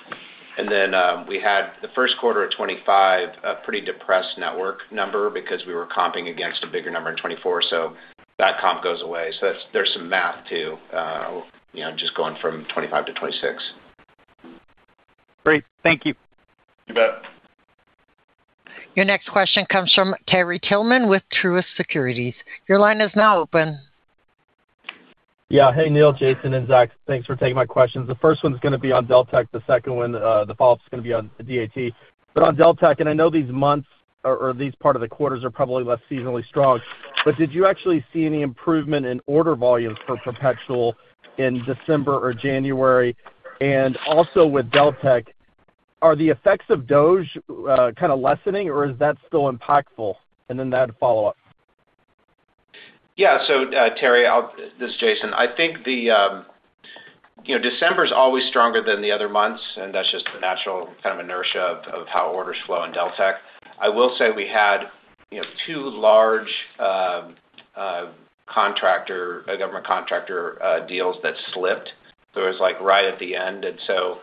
And then we had the first quarter of 2025, a pretty depressed network number because we were comping against a bigger number in 2024. So that comp goes away. So there's some math too, just going from 2025 to 2026. Great. Thank you. You bet. Your next question comes from Terry Tillman with Truist Securities. Your line is now open. Yeah. Hey, Neil, Jason, and Zack, thanks for taking my questions. The first one's going to be on Deltek. The second one, the follow-up is going to be on DAT. But on Deltek, and I know these months or these part of the quarters are probably less seasonally strong, but did you actually see any improvement in order volume for perpetual in December or January? And also with Deltek, are the effects of DOGE kind of lessening, or is that still impactful? And then that follow-up. Yeah. So Terry, this is Jason. I think December is always stronger than the other months, and that's just the natural kind of inertia of how orders flow in Deltek. I will say we had 2 large government contractor deals that slipped. There was like right at the end. And so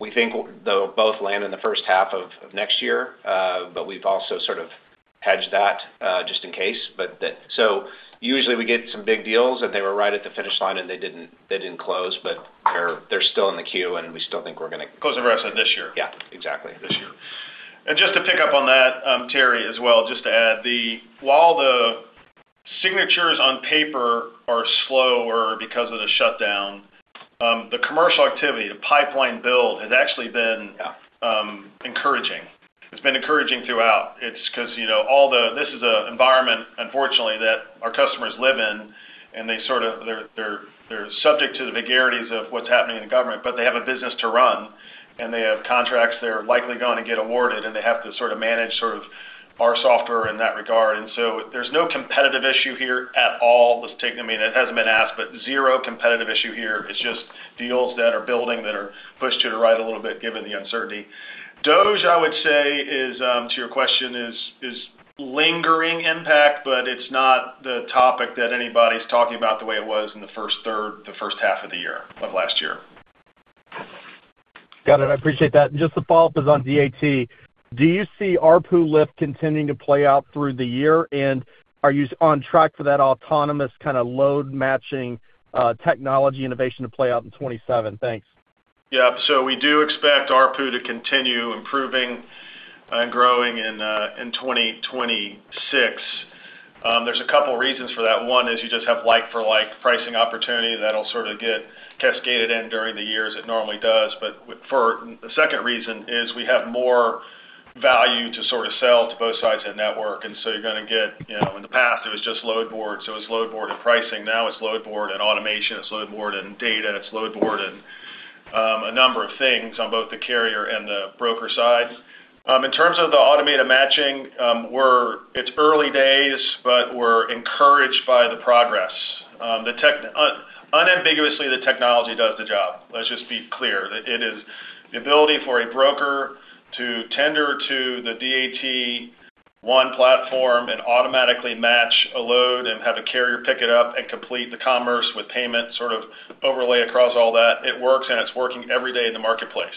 we think they'll both land in the first half of next year, but we've also sort of hedged that just in case. But so usually we get some big deals, and they were right at the finish line, and they didn't close, but they're still in the queue, and we still think we're going to. Close the rest of this year. Yeah. Exactly. This year. Just to pick up on that, Terry, as well, just to add, while the signatures on paper are slower because of the shutdown, the commercial activity, the pipeline build has actually been encouraging. It's been encouraging throughout. It's because all this is an environment, unfortunately, that our customers live in, and they sort of, they're subject to the vagaries of what's happening in the government, but they have a business to run, and they have contracts they're likely going to get awarded, and they have to sort of manage sort of our software in that regard. And so there's no competitive issue here at all. I mean, it hasn't been asked, but zero competitive issue here. It's just deals that are building that are pushed to the right a little bit given the uncertainty. DOGE, I would say, to your question, is lingering impact, but it's not the topic that anybody's talking about the way it was in the first third, the first half of the year of last year. Got it. I appreciate that. Just the follow-up is on DAT. Do you see ARPU lift continuing to play out through the year, and are you on track for that autonomous kind of load matching technology innovation to play out in 2027? Thanks. Yeah. So we do expect ARPU to continue improving and growing in 2026. There's a couple of reasons for that. One is you just have like-for-like pricing opportunity that'll sort of get cascaded in during the years it normally does. But the second reason is we have more value to sort of sell to both sides of the network. And so you're going to get in the past, it was just load board. So it was load board and pricing. Now it's load board and automation. It's load board and data. It's load board and a number of things on both the carrier and the broker side. In terms of the automated matching, it's early days, but we're encouraged by the progress. Unambiguously, the technology does the job. Let's just be clear. It is the ability for a broker to tender to the DAT One platform and automatically match a load and have a carrier pick it up and complete the commerce with payment sort of overlay across all that. It works, and it's working every day in the marketplace.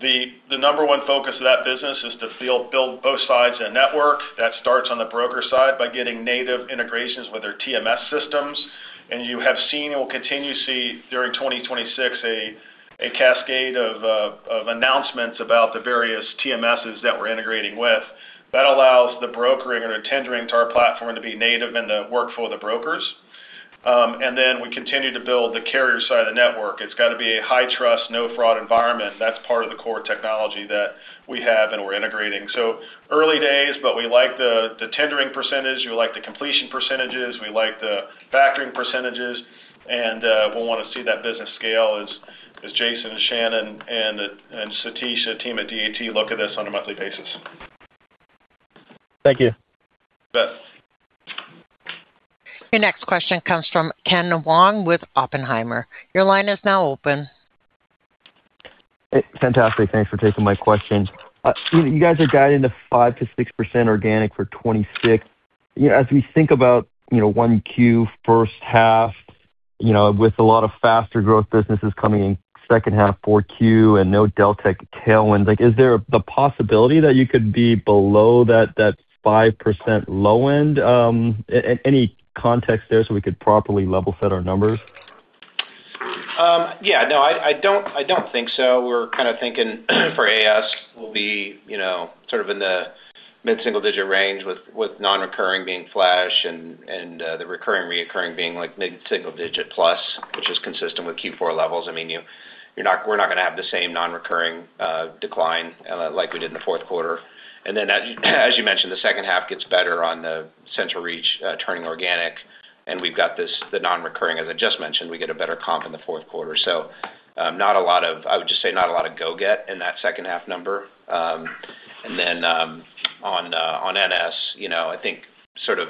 The number one focus of that business is to build both sides of the network. That starts on the broker side by getting native integrations with their TMS systems. You have seen and will continue to see during 2026 a cascade of announcements about the various TMSs that we're integrating with. That allows the brokering or the tendering to our platform to be native in the workflow of the brokers. Then we continue to build the carrier side of the network. It's got to be a high trust, no fraud environment. That's part of the core technology that we have and we're integrating. So early days, but we like the tendering percentage. We like the completion percentages. We like the factoring percentages. And we'll want to see that business scale as Jason and Shannon and Satish, the team at DAT, look at this on a monthly basis. Thank you. You bet. Your next question comes from Ken Wong with Oppenheimer. Your line is now open. Fantastic. Thanks for taking my question. You guys are guiding to 5%-6% organic for 2026. As we think about 1Q first half with a lot of faster growth businesses coming in second half for Q and no Deltek tailwinds, is there the possibility that you could be below that 5% low end? Any context there so we could properly level set our numbers? Yeah. No, I don't think so. We're kind of thinking for AS will be sort of in the mid-single digit range with non-recurring being flat and the recurring, recurring being mid-single digit plus, which is consistent with Q4 levels. I mean, we're not going to have the same non-recurring decline like we did in the fourth quarter. And then, as you mentioned, the second half gets better on the CentralReach turning organic, and we've got the non-recurring, as I just mentioned, we get a better comp in the fourth quarter. So not a lot of, I would just say not a lot of go-forward in that second half number. And then on NS, I think sort of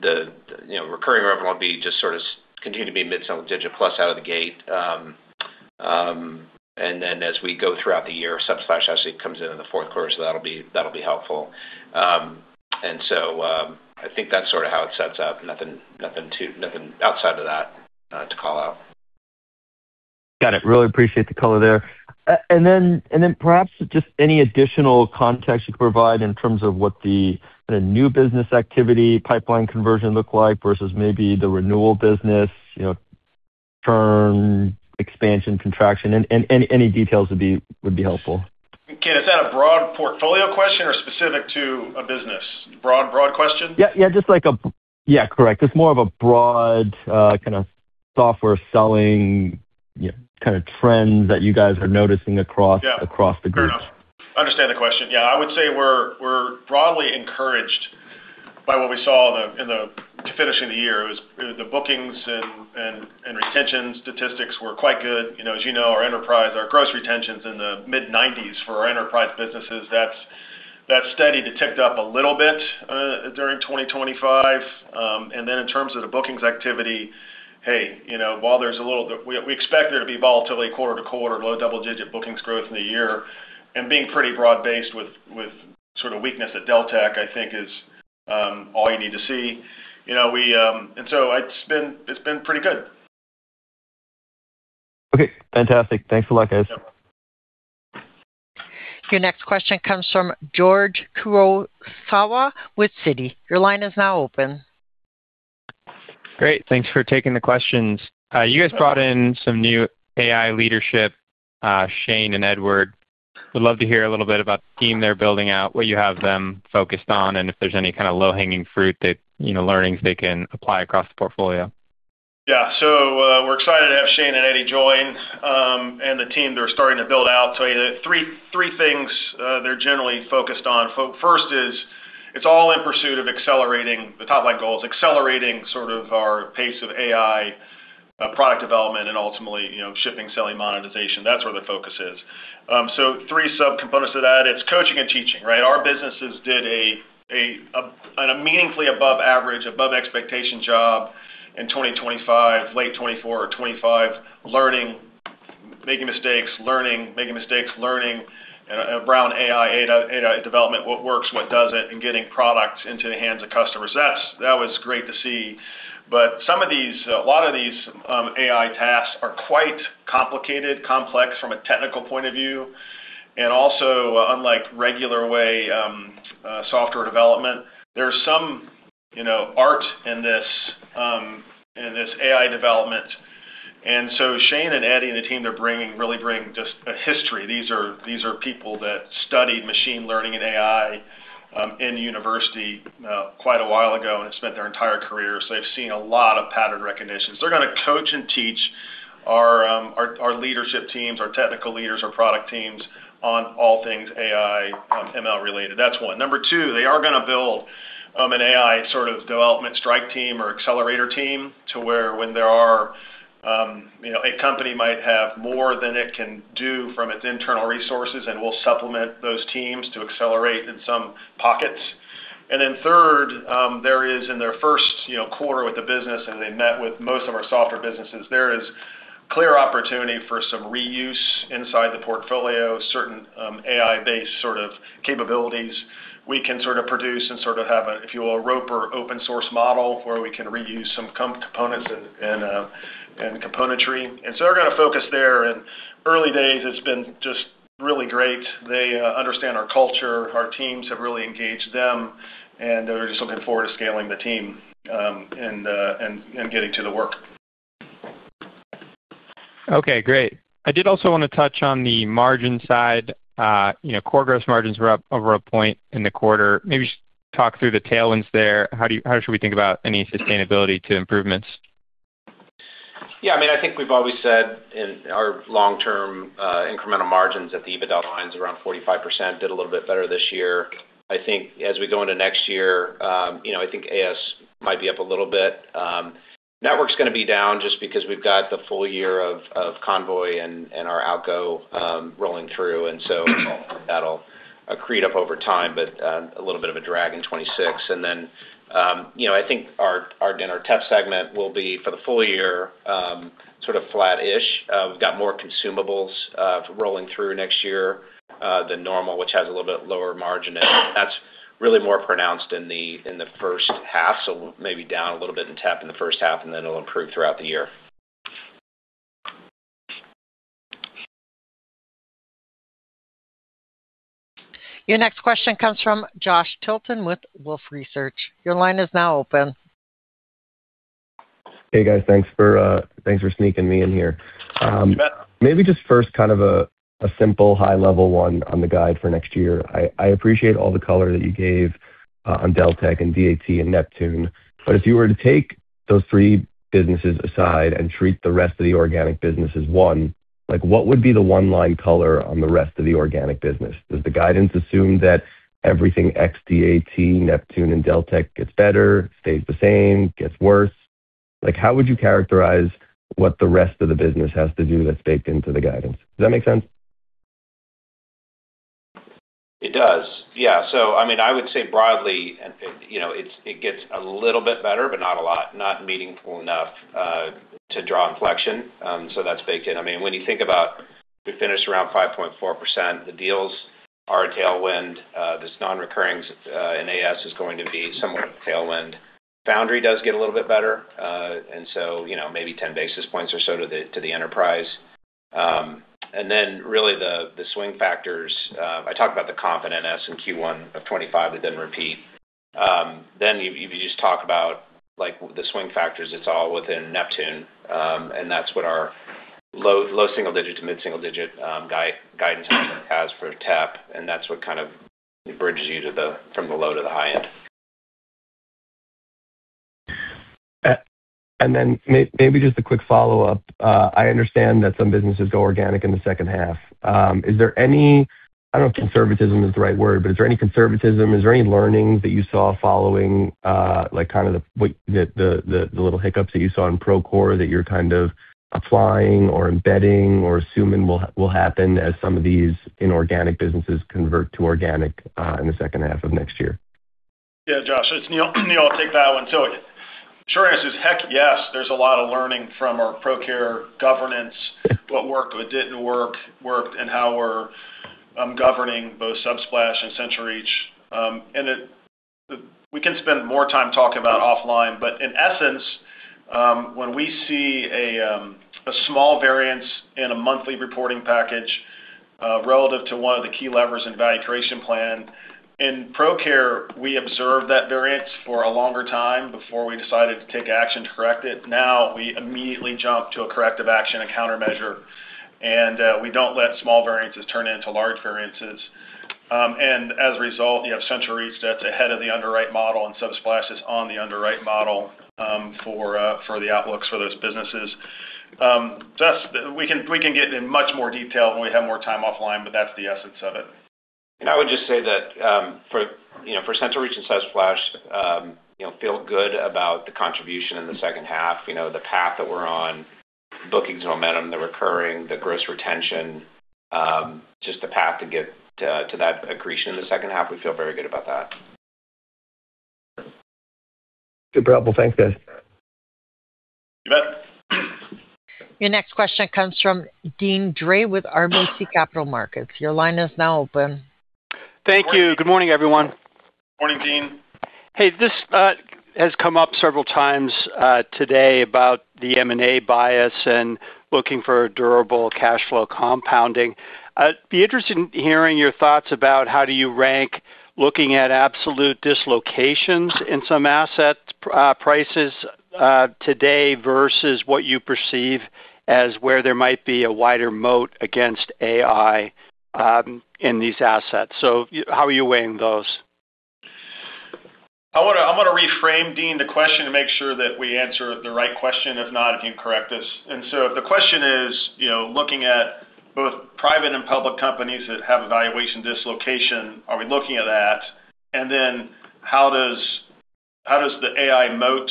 the recurring revenue will be just sort of continue to be mid-single digit plus out of the gate. And then as we go throughout the year, Subsplash actually comes in in the fourth quarter, so that'll be helpful. And so I think that's sort of how it sets up. Nothing outside of that to call out. Got it. Really appreciate the color there. And then perhaps just any additional context you could provide in terms of what the new business activity pipeline conversion looked like versus maybe the renewal business, turn, expansion, contraction, any details would be helpful? Ken, is that a broad portfolio question or specific to a business? Broad question? Yeah. Yeah. Just like a, yeah, correct. It's more of a broad kind of software selling kind of trends that you guys are noticing across the group. Fair enough. Understand the question. Yeah. I would say we're broadly encouraged by what we saw in the finishing of the year. The bookings and retention statistics were quite good. As you know, our enterprise, our gross retentions in the mid-90s% for our enterprise businesses, that's steady to ticked up a little bit during 2025. And then in terms of the bookings activity, hey, while there's a little bit, we expect there to be volatility quarter to quarter, low double-digit% bookings growth in the year. And being pretty broad-based with sort of weakness at Deltek, I think is all you need to see. And so it's been pretty good. Okay. Fantastic. Thanks a lot, guys. Your next question comes from George Kurosawa with Citi. Your line is now open. Great. Thanks for taking the questions. You guys brought in some new AI leadership, Shane and Eddy. Would love to hear a little bit about the team they're building out, what you have them focused on, and if there's any kind of low-hanging fruit, learnings they can apply across the portfolio. Yeah. So we're excited to have Shane and Eddy join and the team that are starting to build out. So three things they're generally focused on. First is it's all in pursuit of accelerating the top line goals, accelerating sort of our pace of AI product development and ultimately shipping, selling, monetization. That's where the focus is. So three sub-components to that. It's coaching and teaching, right? Our businesses did a meaningfully above average, above expectation job in 2025, late 2024 or 2025, learning, making mistakes, learning, making mistakes, learning, and around AI development, what works, what doesn't, and getting products into the hands of customers. That was great to see. But some of these, a lot of these AI tasks are quite complicated, complex from a technical point of view. And also, unlike regular way software development, there's some art in this AI development. And so Shane and Eddy and the team are really bringing just a history. These are people that studied machine learning and AI in university quite a while ago and have spent their entire careers. They've seen a lot of pattern recognitions. They're going to coach and teach our leadership teams, our technical leaders, our product teams on all things AI, ML related. That's one. Number two, they are going to build an AI sort of development strike team or accelerator team to where when there are a company might have more than it can do from its internal resources, and we'll supplement those teams to accelerate in some pockets. And then third, there is in their first quarter with the business, and they met with most of our software businesses, there is clear opportunity for some reuse inside the portfolio, certain AI-based sort of capabilities. We can sort of produce and sort of have a, if you will, a Roper open-source model where we can reuse some components and componentry. And so they're going to focus there. And early days, it's been just really great. They understand our culture. Our teams have really engaged them, and they're just looking forward to scaling the team and getting to the work. Okay. Great. I did also want to touch on the margin side. Core gross margins were up over 1 point in the quarter. Maybe talk through the tailwinds there. How should we think about any sustainability to improvements? Yeah. I mean, I think we've always said our long-term incremental margins at the EBITDA lines are around 45%. Did a little bit better this year. I think as we go into next year, I think AS might be up a little bit. Network's going to be down just because we've got the full year of Convoy and our Outgo rolling through. And so that'll create up over time, but a little bit of a drag in 2026. And then I think our tech segment will be for the full year sort of flat-ish. We've got more consumables rolling through next year than normal, which has a little bit lower margin. That's really more pronounced in the first half. So maybe down a little bit in tech in the first half, and then it'll improve throughout the year. Your next question comes from Josh Tilton with Wolfe Research. Your line is now open. Hey, guys. Thanks for sneaking me in here. You bet. Maybe just first kind of a simple high-level one on the guide for next year. I appreciate all the color that you gave on Deltek and DAT and Neptune. But if you were to take those three businesses aside and treat the rest of the organic business as one, what would be the one line color on the rest of the organic business? Does the guidance assume that everything ex DAT, Neptune, and Deltek gets better, stays the same, gets worse? How would you characterize what the rest of the business has to do that's baked into the guidance? Does that make sense? It does. Yeah. So I mean, I would say broadly, it gets a little bit better, but not a lot. Not meaningful enough to draw inflection. So that's baked in. I mean, when you think about we finished around 5.4%. The deals are a tailwind. This non-recurring in AS is going to be somewhat of a tailwind. Foundry does get a little bit better. And so maybe 10 basis points or so to the enterprise. And then really the swing factors, I talked about the confidence in Q1 of 2025 that didn't repeat. Then you just talk about the swing factors, it's all within Neptune. And that's what our low single-digit to mid-single-digit guidance has for tech. And that's what kind of bridges you from the low to the high end. And then maybe just a quick follow-up. I understand that some businesses go organic in the second half. Is there any, I don't know if conservatism is the right word, but is there any conservatism? Is there any learnings that you saw following kind of the little hiccups that you saw in Procore that you're kind of applying or embedding or assuming will happen as some of these inorganic businesses convert to organic in the second half of next year? Yeah, Josh, Neil, I'll take that one. So short answer is heck yes. There's a lot of learning from our Procare governance, what worked, what didn't work, worked, and how we're governing both Subsplash and CentralReach. And we can spend more time talking about offline, but in essence, when we see a small variance in a monthly reporting package relative to one of the key levers in value creation plan, in Procare, we observed that variance for a longer time before we decided to take action to correct it. Now we immediately jump to a corrective action and countermeasure. And we don't let small variances turn into large variances. And as a result, you have CentralReach that's ahead of the underwrite model and Subsplash is on the underwrite model for the outlooks for those businesses. We can get in much more detail when we have more time offline, but that's the essence of it. I would just say that for CentralReach and Subsplash, feel good about the contribution in the second half. The path that we're on, bookings and momentum, the recurring, the gross retention, just the path to get to that accretion in the second half, we feel very good about that. Super. Well, thanks, guys. You bet. Your next question comes from Dean Dray with RBC Capital Markets. Your line is now open. Thank you. Good morning, everyone. Morning, Dean. Hey, this has come up several times today about the M&A bias and looking for durable cash flow compounding. I'd be interested in hearing your thoughts about how do you rank looking at absolute dislocations in some asset prices today versus what you perceive as where there might be a wider moat against AI in these assets? So how are you weighing those? I'm going to reframe, Dean, the question to make sure that we answer the right question. If not, if you can correct us. So if the question is looking at both private and public companies that have valuation dislocation, are we looking at that? And then how does the AI moat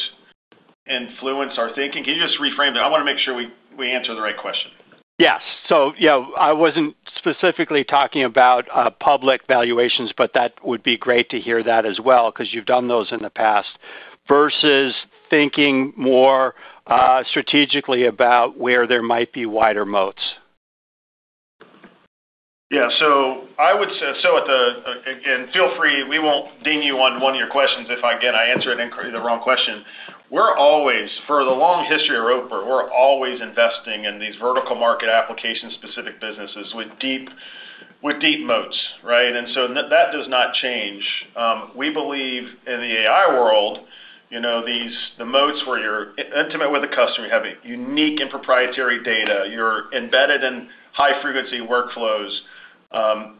influence our thinking? Can you just reframe that? I want to make sure we answer the right question. Yes. So I wasn't specifically talking about public valuations, but that would be great to hear that as well because you've done those in the past versus thinking more strategically about where there might be wider moats. Yeah. So I would say, so at the, again, feel free. We won't ding you on one of your questions if, again, I answer the wrong question. We're always, for the long history of Roper, we're always investing in these vertical market application-specific businesses with deep moats, right? And so that does not change. We believe in the AI world, the moats where you're intimate with the customer, you have unique and proprietary data, you're embedded in high-frequency workflows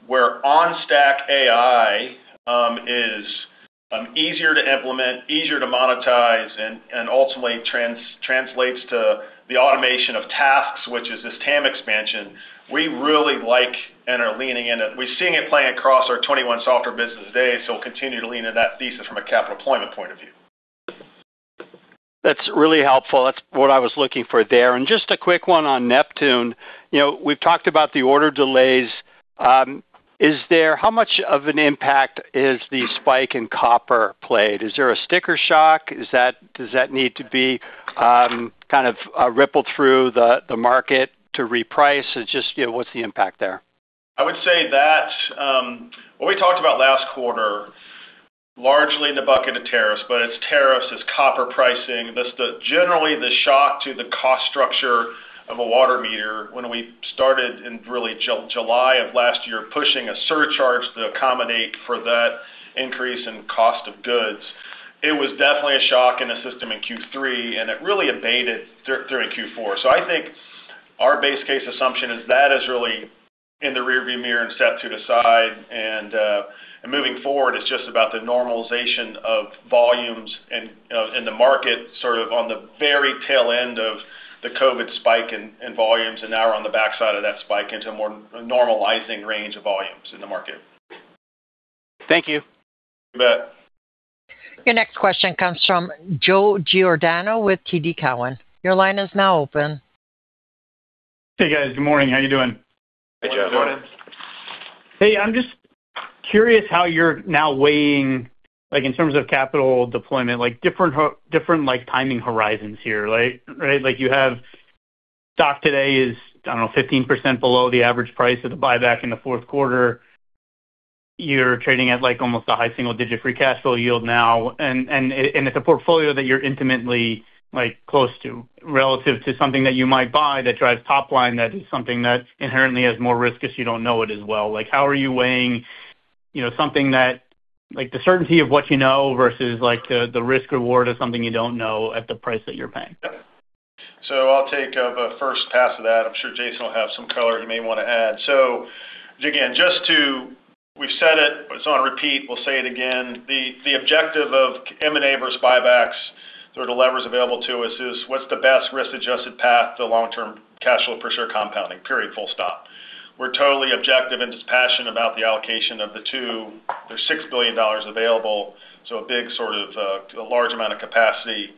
where on-stack AI is easier to implement, easier to monetize, and ultimately translates to the automation of tasks, which is this TAM expansion. We really like and are leaning in at we're seeing it play across our 21 software businesses today, so we'll continue to lean in that thesis from a capital deployment point of view. That's really helpful. That's what I was looking for there. And just a quick one on Neptune. We've talked about the order delays. How much of an impact has the spike in copper played? Is there a sticker shock? Does that need to be kind of rippled through the market to reprice? It's just what's the impact there? I would say that what we talked about last quarter, largely in the bucket of tariffs, but it's tariffs, it's copper pricing. Generally, the shock to the cost structure of a water meter, when we started in really July of last year pushing a surcharge to accommodate for that increase in cost of goods, it was definitely a shock in the system in Q3, and it really abated during Q4. So I think our base case assumption is that is really in the rearview mirror and stepped to the side. And moving forward, it's just about the normalization of volumes in the market sort of on the very tail end of the COVID spike in volumes, and now we're on the backside of that spike into a more normalizing range of volumes in the market. Thank you. You bet. Your next question comes from Joe Giordano with TD Cowen. Your line is now open. Hey, guys. Good morning. How are you doing? Hey, Joe. Hey, I'm just curious how you're now weighing in terms of capital deployment, different timing horizons here, right? You have stock today is, I don't know, 15% below the average price of the buyback in the fourth quarter. You're trading at almost the high single-digit free cash flow yield now. And it's a portfolio that you're intimately close to relative to something that you might buy that drives top line that is something that inherently has more risk because you don't know it as well. How are you weighing something that the certainty of what you know versus the risk-reward of something you don't know at the price that you're paying? So I'll take a first pass of that. I'm sure Jason will have some color he may want to add. So again, just to we've said it, it's on repeat. We'll say it again. The objective of M&A versus buybacks through the levers available to us is what's the best risk-adjusted path to long-term cash flow for sure compounding, period, full stop. We're totally objective and just passionate about the allocation of the two. There's $6 billion available, so a big sort of a large amount of capacity.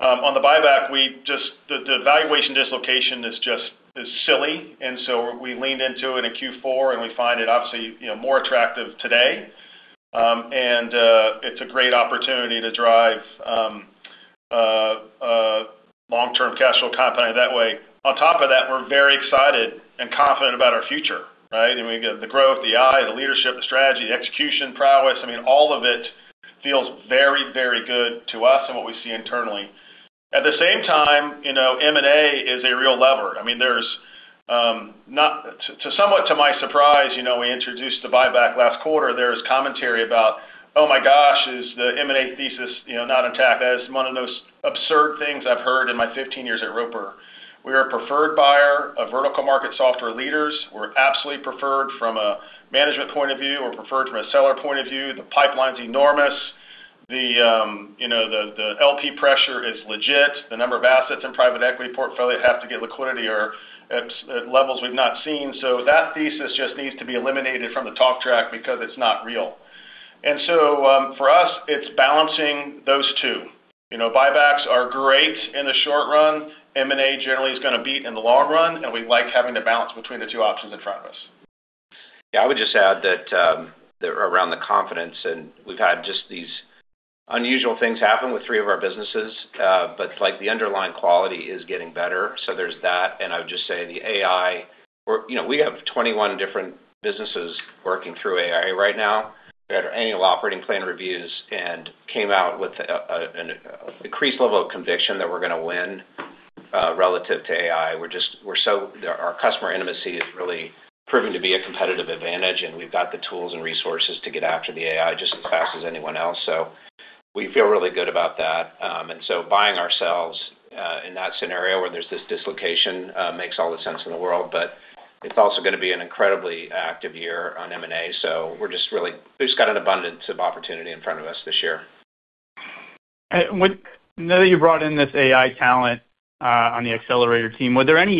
On the buyback, the valuation dislocation is just silly. And so we leaned into it in Q4, and we find it obviously more attractive today. And it's a great opportunity to drive long-term cash flow compounding that way. On top of that, we're very excited and confident about our future, right? And we get the growth, the eye, the leadership, the strategy, the execution, prowess. I mean, all of it feels very, very good to us and what we see internally. At the same time, M&A is a real lever. I mean, somewhat to my surprise, we introduced the buyback last quarter. There is commentary about, "Oh my gosh, is the M&A thesis not intact?" That is one of the most absurd things I've heard in my 15 years at Roper. We are a preferred buyer of vertical market software leaders. We're absolutely preferred from a management point of view. We're preferred from a seller point of view. The pipeline's enormous. The LP pressure is legit. The number of assets in private equity portfolio have to get liquidity are at levels we've not seen. So that thesis just needs to be eliminated from the talk track because it's not real. And so for us, it's balancing those two. Buybacks are great in the short run. M&A generally is going to beat in the long run. And we like having the balance between the two options in front of us. Yeah. I would just add that around the confidence, and we've had just these unusual things happen with 3 of our businesses, but the underlying quality is getting better. So there's that. And I would just say the AI, we have 21 different businesses working through AI right now that are annual operating plan reviews and came out with an increased level of conviction that we're going to win relative to AI. Our customer intimacy is really proving to be a competitive advantage, and we've got the tools and resources to get after the AI just as fast as anyone else. So we feel really good about that. And so buying ourselves in that scenario where there's this dislocation makes all the sense in the world, but it's also going to be an incredibly active year on M&A. We're just really just got an abundance of opportunity in front of us this year. Now that you brought in this AI talent on the accelerator team, were there any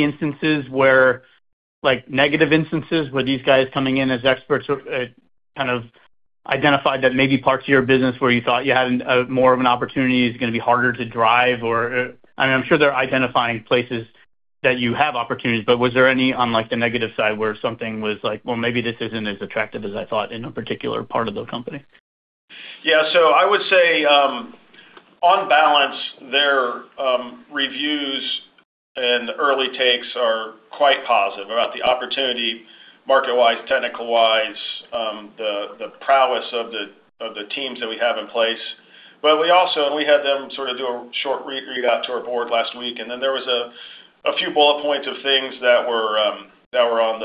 negative instances where these guys coming in as experts kind of identified that maybe parts of your business where you thought you had more of an opportunity is going to be harder to drive? I mean, I'm sure they're identifying places that you have opportunities, but was there any on the negative side where something was like, "Well, maybe this isn't as attractive as I thought in a particular part of the company"? Yeah. So I would say on balance, their reviews and early takes are quite positive about the opportunity market-wise, technical-wise, the prowess of the teams that we have in place. But we also, and we had them sort of do a short read-out to our board last week. And then there was a few bullet points of things that were on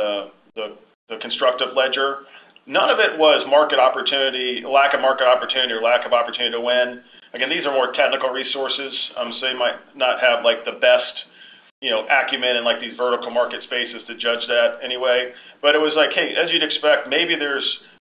the constructive ledger. None of it was market opportunity, lack of market opportunity, or lack of opportunity to win. Again, these are more technical resources. So you might not have the best acumen in these vertical market spaces to judge that anyway. But it was like, "Hey, as you'd expect, maybe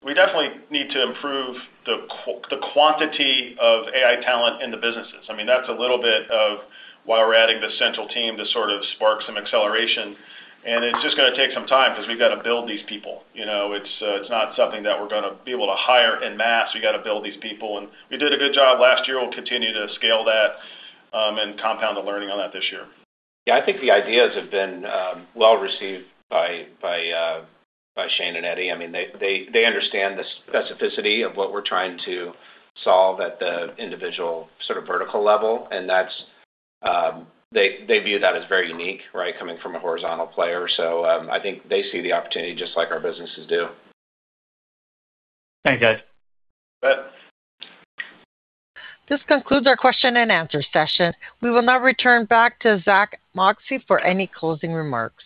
we definitely need to improve the quantity of AI talent in the businesses." I mean, that's a little bit of why we're adding the central team to sort of spark some acceleration. It's just going to take some time because we've got to build these people. It's not something that we're going to be able to hire en masse. We've got to build these people. And we did a good job last year. We'll continue to scale that and compound the learning on that this year. Yeah. I think the ideas have been well received by Shane and Eddie. I mean, they understand the specificity of what we're trying to solve at the individual sort of vertical level. They view that as very unique, right, coming from a horizontal player. So I think they see the opportunity just like our businesses do. Thanks, guys. Good. This concludes our question and answer session. We will now return back to Zack Moxcey for any closing remarks.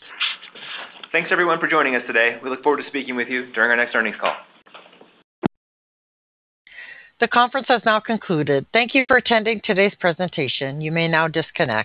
Thanks, everyone, for joining us today. We look forward to speaking with you during our next earnings call. The conference has now concluded. Thank you for attending today's presentation. You may now disconnect.